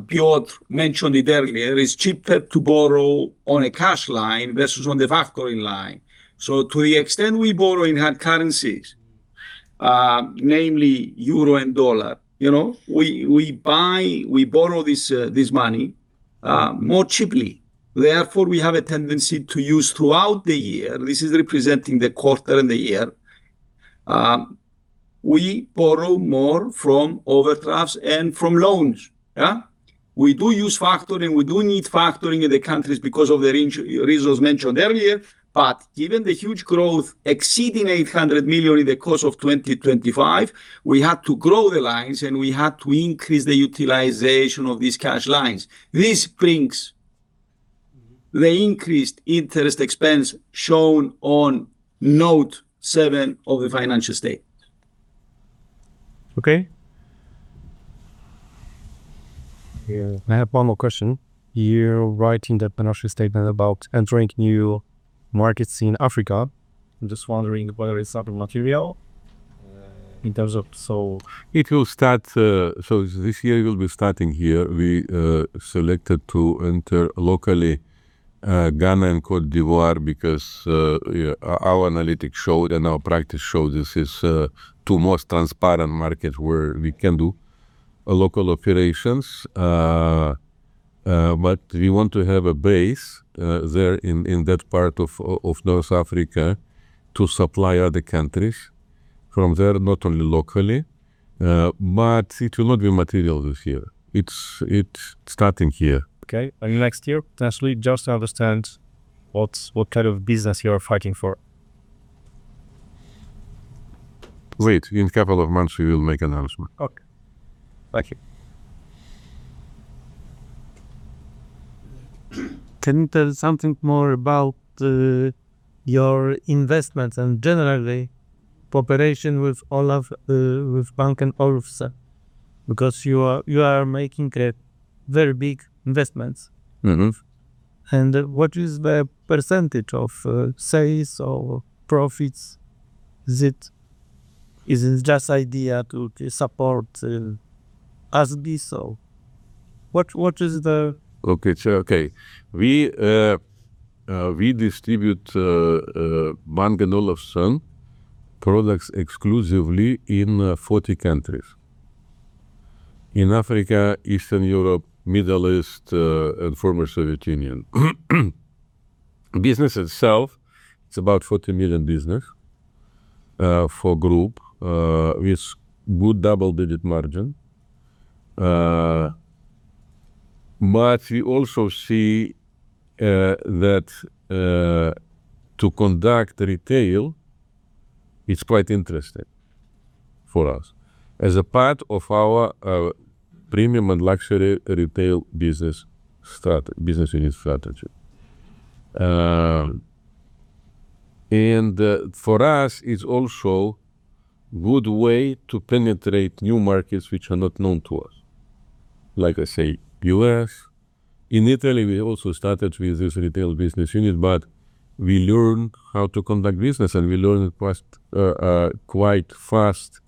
Piotr mentioned it earlier. It's cheaper to borrow on a cash line versus on the factoring line. To the extent we borrow in hard currencies. Namely EUR and USD. You know, we buy, we borrow this money more cheaply, therefore, we have a tendency to use throughout the year. This is representing the quarter and the year. We borrow more from overdrafts and from loans. Yeah. We do use factoring. We do need factoring in the countries because of the range, reasons mentioned earlier. Given the huge growth exceeding $800 million in the course of 2025, we had to grow the lines, and we had to increase the utilization of these cash lines. This brings the increased interest expense shown on note 7 of the financial statement. Okay. Yeah. I have one more question. You write in the financial statement about entering new markets in Africa. I'm just wondering whether it's other material, in terms of... It will start, so this year we'll be starting here. We selected to enter locally, Ghana and Côte d'Ivoire because our analytics showed and our practice showed this is two most transparent markets where we can do a local operations. We want to have a base there in that part of North Africa to supply other countries from there, not only locally. It will not be material this year. It's, it's starting here. Okay. Next year, potentially, just to understand what's, what kind of business you are fighting for. Wait. In couple of months we will make announcement. Okay. Thank you. Can you tell something more about your investments and generally cooperation with Olaf, with Bang & Olufsen? You are making a very big investments. Mm-hmm. What is the percentage of sales or profits? Is it just idea to support ASBIS? We distribute Bang & Olufsen products exclusively in 40 countries. In Africa, Eastern Europe, Middle East, and former Soviet Union. Business itself, it's about $40 million business for group with good double-digit margin. We also see that to conduct retail, it's quite interesting for us as a part of our premium and luxury retail business unit strategy. For us, it's also good way to penetrate new markets which are not known to us. Like I say, U.S. In Italy, we also started with this retail business unit, but we learn how to conduct business, and we learn it quite fast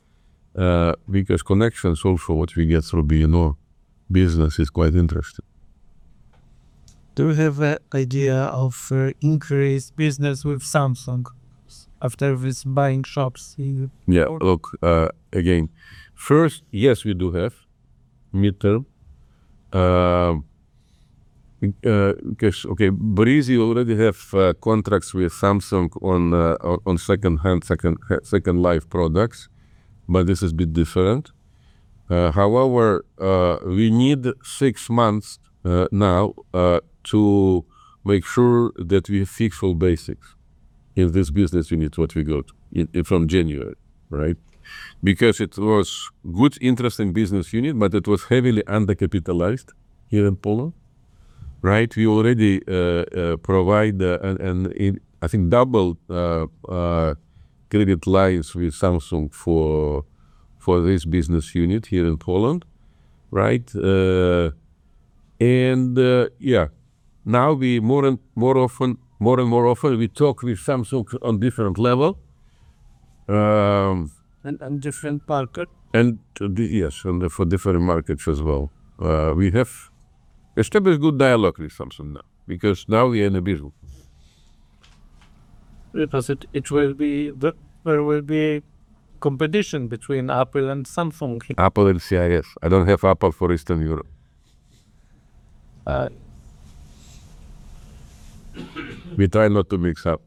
because connections also what we get through B&O business is quite interesting. Do you have a idea of increased business with Samsung after this buying shops in Poland? Yeah. Look, again, first, yes, we do have midterm, because, okay, Breezy already have contracts with Samsung on second life products, but this is a bit different. However, we need six months now to make sure that we fix all basics in this business unit what we got in from January, right? Because it was good interesting business unit, but it was heavily undercapitalized here in Poland, right? We already provide an I think double credit lines with Samsung for this business unit here in Poland, right? Yeah, now we more and more often we talk with Samsung on different level. On different market... yes, and for different markets as well. We have established good dialogue with Samsung now because now we are in a business. It will be competition between Apple and Samsung here. Apple and CIS. I don't have Apple for Eastern Europe. Uh. We try not to mix up.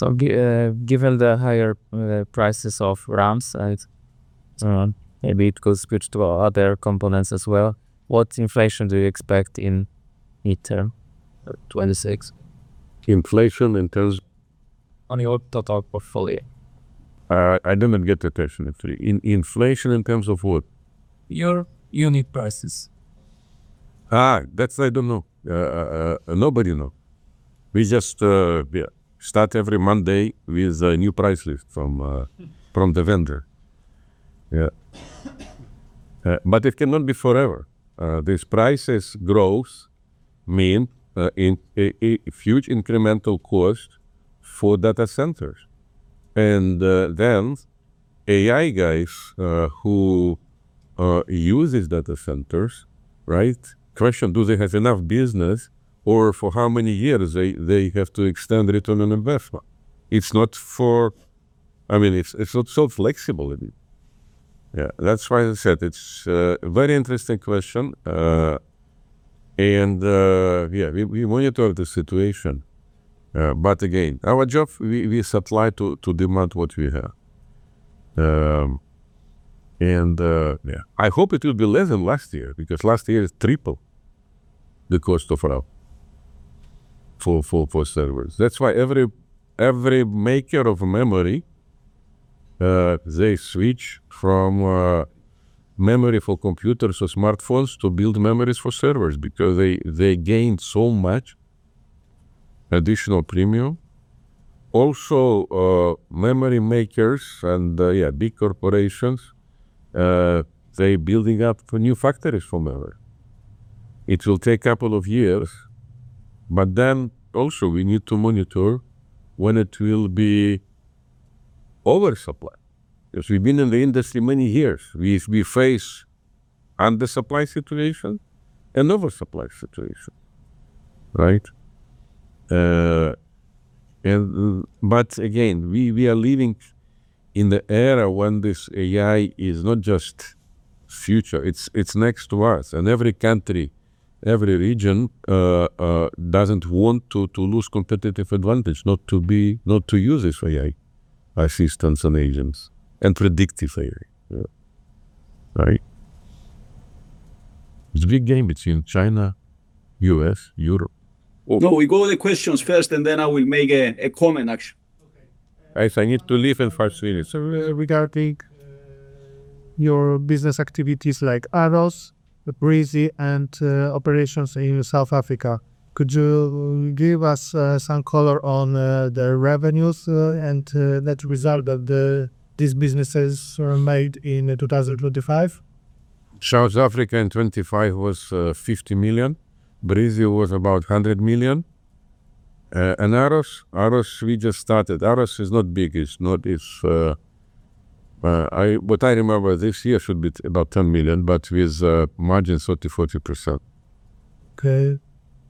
Given the higher prices of RAMs and, maybe it could switch to other components as well, what inflation do you expect in midterm, 2026? Inflation. On your total portfolio. I didn't get the question actually. Inflation in terms of what? Your unit prices. That I don't know. nobody know. We just, yeah, start every Monday with a new price list from the vendor. Yeah. It cannot be forever. These prices growth mean a huge incremental cost for data centers. AI guys who uses data centers, right? Question, do they have enough business or for how many years they have to extend return on investment? I mean, it's not so flexible with it. Yeah. That's why I said it's a very interesting question. Yeah, we monitor the situation. Again, our job, we supply to demand what we have. Yeah. I hope it will be less than last year, because last year is triple the cost of RAM for servers. That's why every maker of memory, they switch from memory for computers or smartphones to build memories for servers because they gain so much additional premium. Memory makers and big corporations, they building up new factories for memory. It will take couple of years, we need to monitor when it will be oversupply. We've been in the industry many years. We face under supply situation and oversupply situation, right? Again, we are living in the era when this AI is not just future, it's next to us. Every country, every region, doesn't want to lose competitive advantage, not to use this AI assistance on agents and predictive AI. Yeah. Right? It's a big game between China, US, Europe. No, we go with the questions first, and then I will make a comment actually. Guys, I need to leave in five minutes. Regarding your business activities like AROS, Breezy, and operations in South Africa, could you give us some color on the revenues and net result that these businesses made in 2025? South Africa in 2025 was $50 million. Breezy was about $100 million. AROS we just started. AROS is not big. It's about $10 million, but with margin 30%-40%. Okay.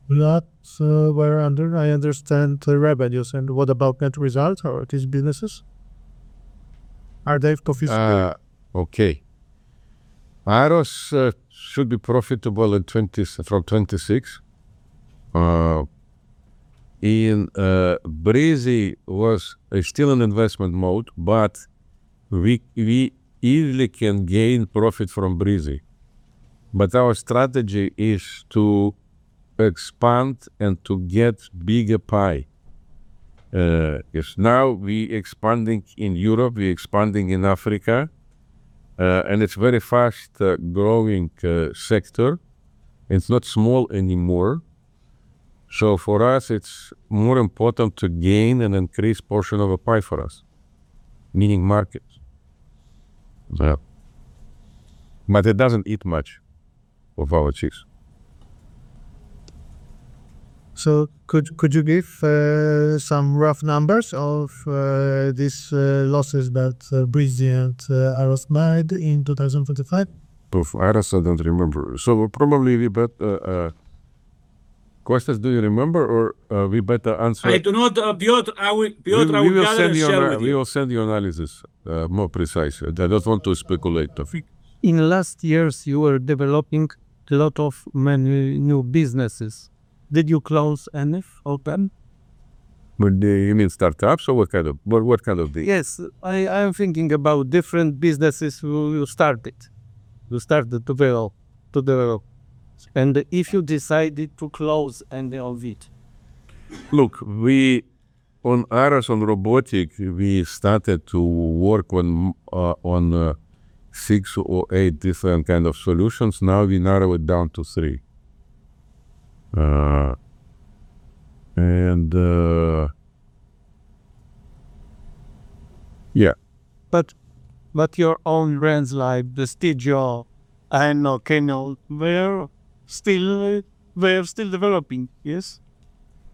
That's where I understand the revenues. What about net results of these businesses? Are they profitable? Okay. AROS should be profitable from 2026. Breezy was still in investment mode, but we easily can gain profit from Breezy. Our strategy is to expand and to get bigger pie. If now we expanding in Europe, we expanding in Africa, and it's very fast growing sector. It's not small anymore. For us, it's more important to gain an increased portion of a pie for us, meaning markets. Yeah. It doesn't eat much of our cheese. Could you give some rough numbers of these losses that Breezy and AROS made in 2045? For Aros, I don't remember. probably we better... Costas, do you remember or we better answer-? I do not. Piotr, I will be happy to share with you. We will send you analysis, more precise. I don't want to speculate of it. In last years, you were developing a lot of many new businesses. Did you close any of them? Well, do you mean startups or what kind of business? Yes. I'm thinking about different businesses you started. You started to develop. If you decided to close any of it. Look, On AROS, on robotic, we started to work on 6 or 8 different kind of solutions. Now we narrow it down to 3. Yeah. Your own brands like Prestigio and, or Canyon, they're still developing, yes?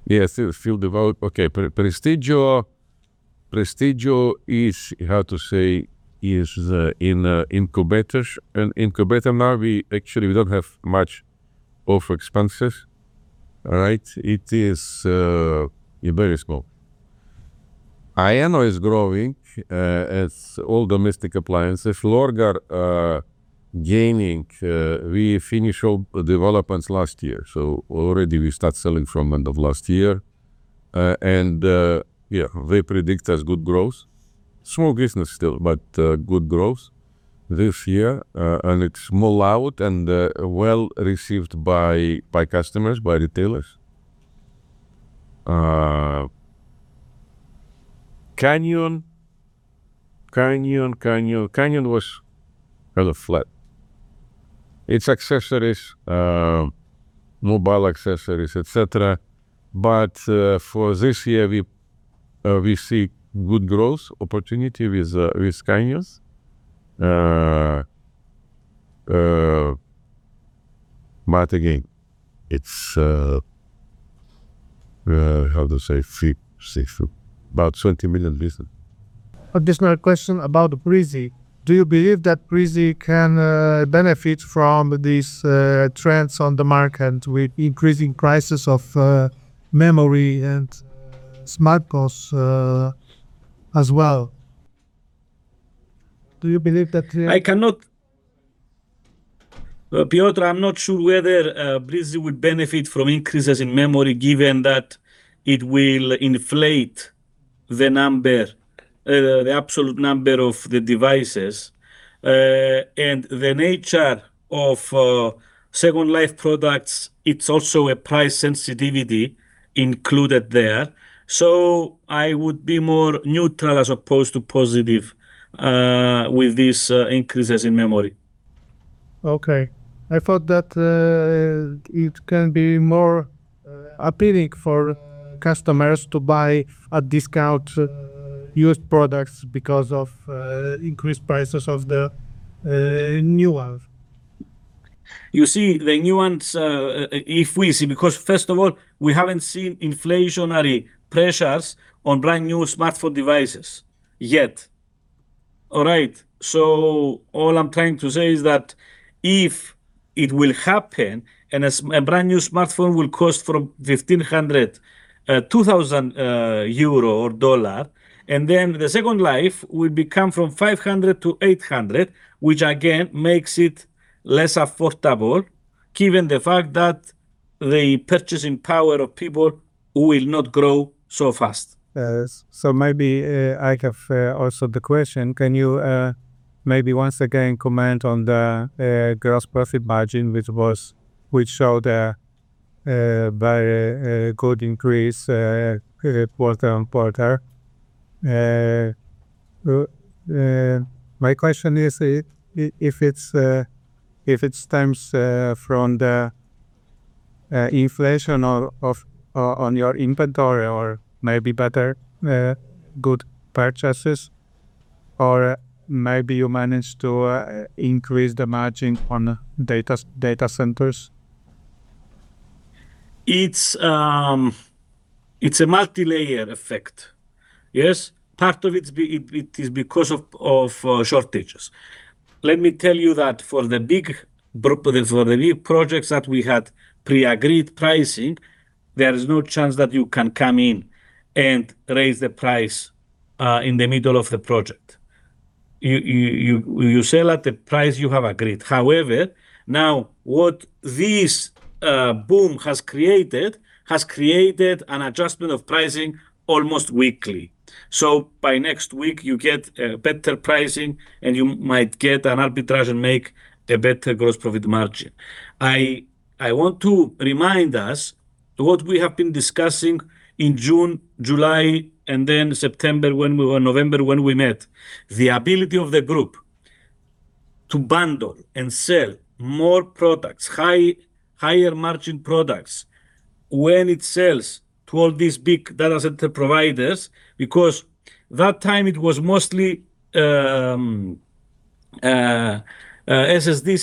Yes, they still develop. Okay. Prestigio. Prestigio is, how to say, is in a incubator. In incubator now, we actually we don't have much of expenses. Right? It is very small. AENO is growing. It's all domestic appliances. Lorgar gaining. We finish all developments last year. Already we start selling from end of last year. And, yeah, they predict as good growth. Small business still, but good growth this year. And it's more loud and well-received by customers, by retailers. Canyon was kind of flat. It's accessories, mobile accessories, et cetera. For this year, we see good growth opportunity with Canyon. But again, it's, how to say free, safe, about $20 million visits. Additional question about Breezy. Do you believe that Breezy can benefit from these trends on the market with increasing prices of memory and smart costs as well? Piotr, I'm not sure whether Breezy would benefit from increases in memory given that it will inflate the number, the absolute number of the devices. The nature of second life products, it's also a price sensitivity included there. I would be more neutral as opposed to positive with these increases in memory. Okay. I thought that it can be more appealing for customers to buy a discount, used products because of increased prices of the new ones. The new ones, if we see... First of all, we haven't seen inflationary pressures on brand-new smartphone devices yet, all right? All I'm trying to say is that if it will happen and a brand-new smartphone will cost from $1,500-$2,000 or EUR 1,500-EUR 2,000, and then the second life will become from $500-$800 or 500-800, which again makes it less affordable given the fact that the purchasing power of people will not grow so fast. Yes. Maybe, I have also the question, can you maybe once again comment on the gross profit margin, which showed a very good increase quarter-on-quarter? My question is if it's, if it stems from the inflation on your inventory or maybe better, good purchases, or maybe you managed to increase the margin on data centers? It's a multilayer effect. Yes. Part of it is because of shortages. Let me tell you that for the big projects that we had pre-agreed pricing, there is no chance that you can come in and raise the price in the middle of the project. You sell at the price you have agreed. However, now what this boom has created, has created an adjustment of pricing almost weekly. By next week, you get better pricing, and you might get an arbitrage and make a better gross profit margin. I want to remind us what we have been discussing in June, July, and then September or November when we met, the ability of the group to bundle and sell more products, higher margin products when it sells to all these big data center providers, because that time it was mostly SSDs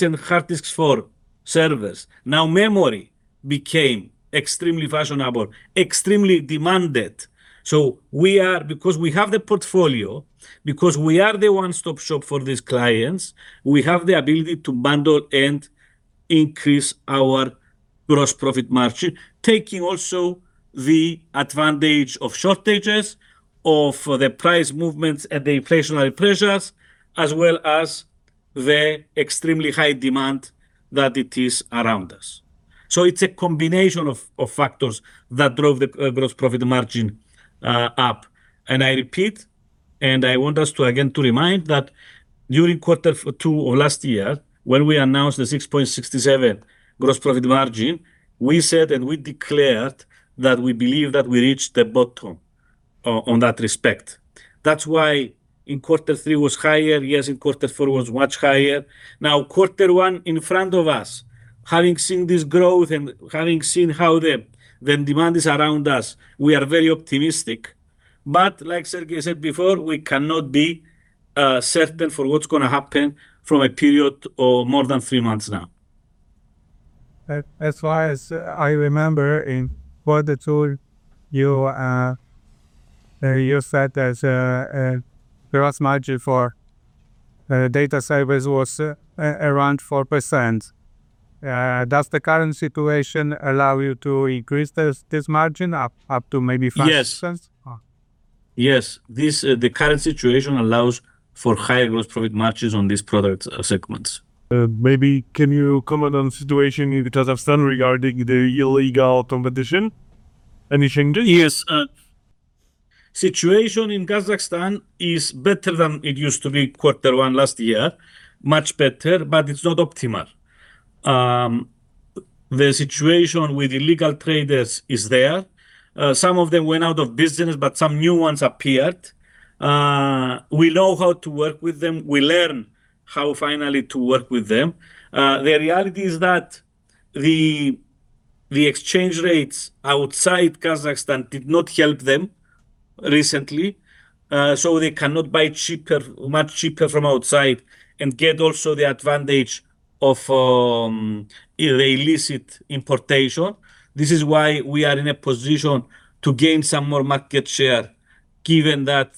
and hard disks for servers. Memory became extremely fashionable, extremely demanded. Because we have the portfolio, because we are the one-stop shop for these clients, we have the ability to bundle and increase our gross profit margin, taking also the advantage of shortages, of the price movements and the inflationary pressures, as well as the extremely high demand that it is around us. It's a combination of factors that drove the gross profit margin up. I repeat, and I want us to again to remind that during Q2 of last year, when we announced the 6.67% gross profit margin, we said and we declared that we believe that we reached the bottom on that respect. That's why in Q3 was higher. Yes, in Q4 was much higher. Q1 in front of us, having seen this growth and having seen how the demand is around us, we are very optimistic. Like Siarhei said before, we cannot be certain for what's gonna happen from a period of more than 3 months now. Far as I remember in quarter two, you said that gross margin for data servers was around 4%. Does the current situation allow you to increase this margin up to maybe 5%? Yes. Yes. This, the current situation allows for higher gross profit margins on these product segments. Maybe can you comment on the situation in Kazakhstan regarding the illegal competition? Any changes? Yes. Situation in Kazakhstan is better than it used to be quarter one last year, much better, but it's not optimal. The situation with illegal traders is there. Some of them went out of business, but some new ones appeared. We know how to work with them. We learn how finally to work with them. The reality is that the exchange rates outside Kazakhstan did not help them recently, so they cannot buy cheaper, much cheaper from outside and get also the advantage of illicit importation. This is why we are in a position to gain some more market share given that,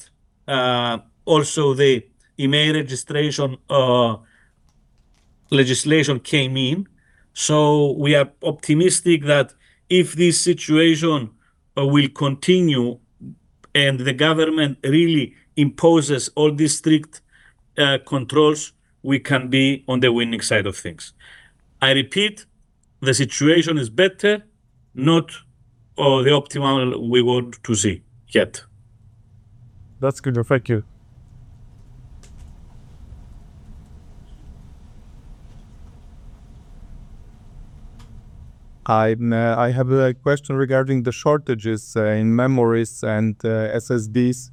also the email registration legislation came in. We are optimistic that if this situation will continue and the government really imposes all these strict controls, we can be on the winning side of things. I repeat, the situation is better, not, the optimal we want to see yet. That's good. Thank you. I'm, I have a question regarding the shortages in memories and SSDs.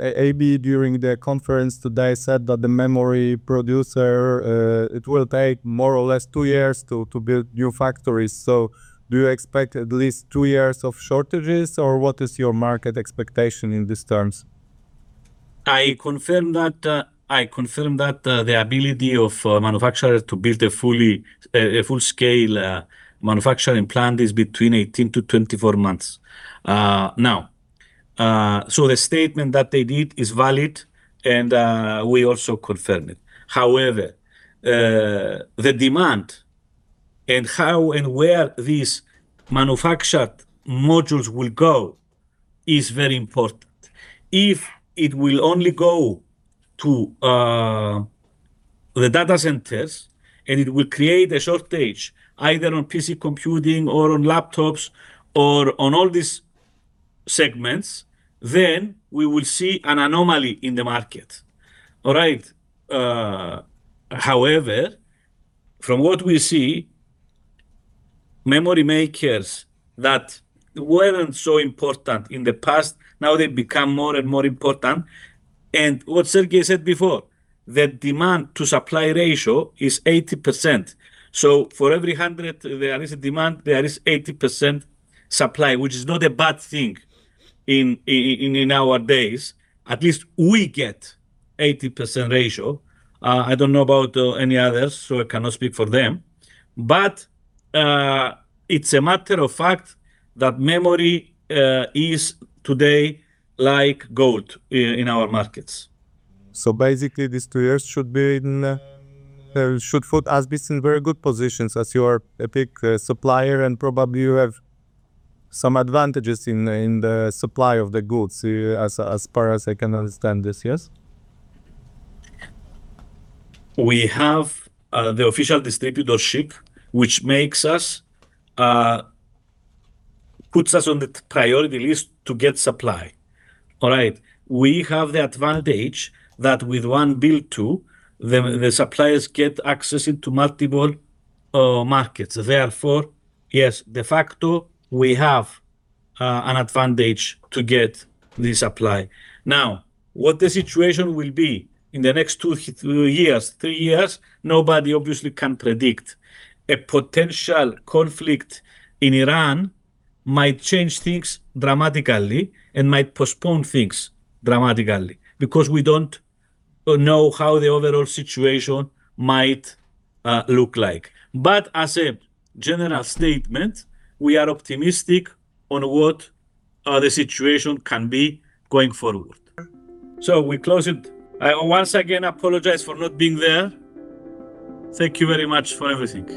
AB during the conference today said that the memory producer, it will take more or less two years to build new factories. Do you expect at least two years of shortages or what is your market expectation in these terms? I confirm that the ability of manufacturers to build a full scale manufacturing plant is between 18-24 months. Now, the statement that they did is valid and we also confirm it. However, the demand and how and where these manufactured modules will go is very important. If it will only go to the data centers and it will create a shortage either on PC computing or on laptops or on all these segments, then we will see an anomaly in the market. All right? However, from what we see, memory makers that weren't so important in the past, now they've become more and more important. What Siarhei said before, the demand to supply ratio is 80%. For every 100% there is a demand, there is 80% supply, which is not a bad thing in our days. At least we get 80% ratio. I don't know about any others, so I cannot speak for them. It's a matter of fact that memory is today like gold in our markets. Basically these two years should be in, should put ASBIS in very good positions as you're a big supplier and probably you have some advantages in the supply of the goods as far as I can understand this. Yes? We have the official distributorship, which makes us, puts us on the priority list to get supply. All right? We have the advantage that with one bill two, the suppliers get access into multiple markets. Therefore, yes, de facto we have an advantage to get the supply. Now, what the situation will be in the next two years, three years, nobody obviously can predict. A potential conflict in Iran might change things dramatically and might postpone things dramatically because we don't know how the overall situation might look like. As a general statement, we are optimistic on what the situation can be going forward. We close it. I once again apologize for not being there. Thank you very much for everything.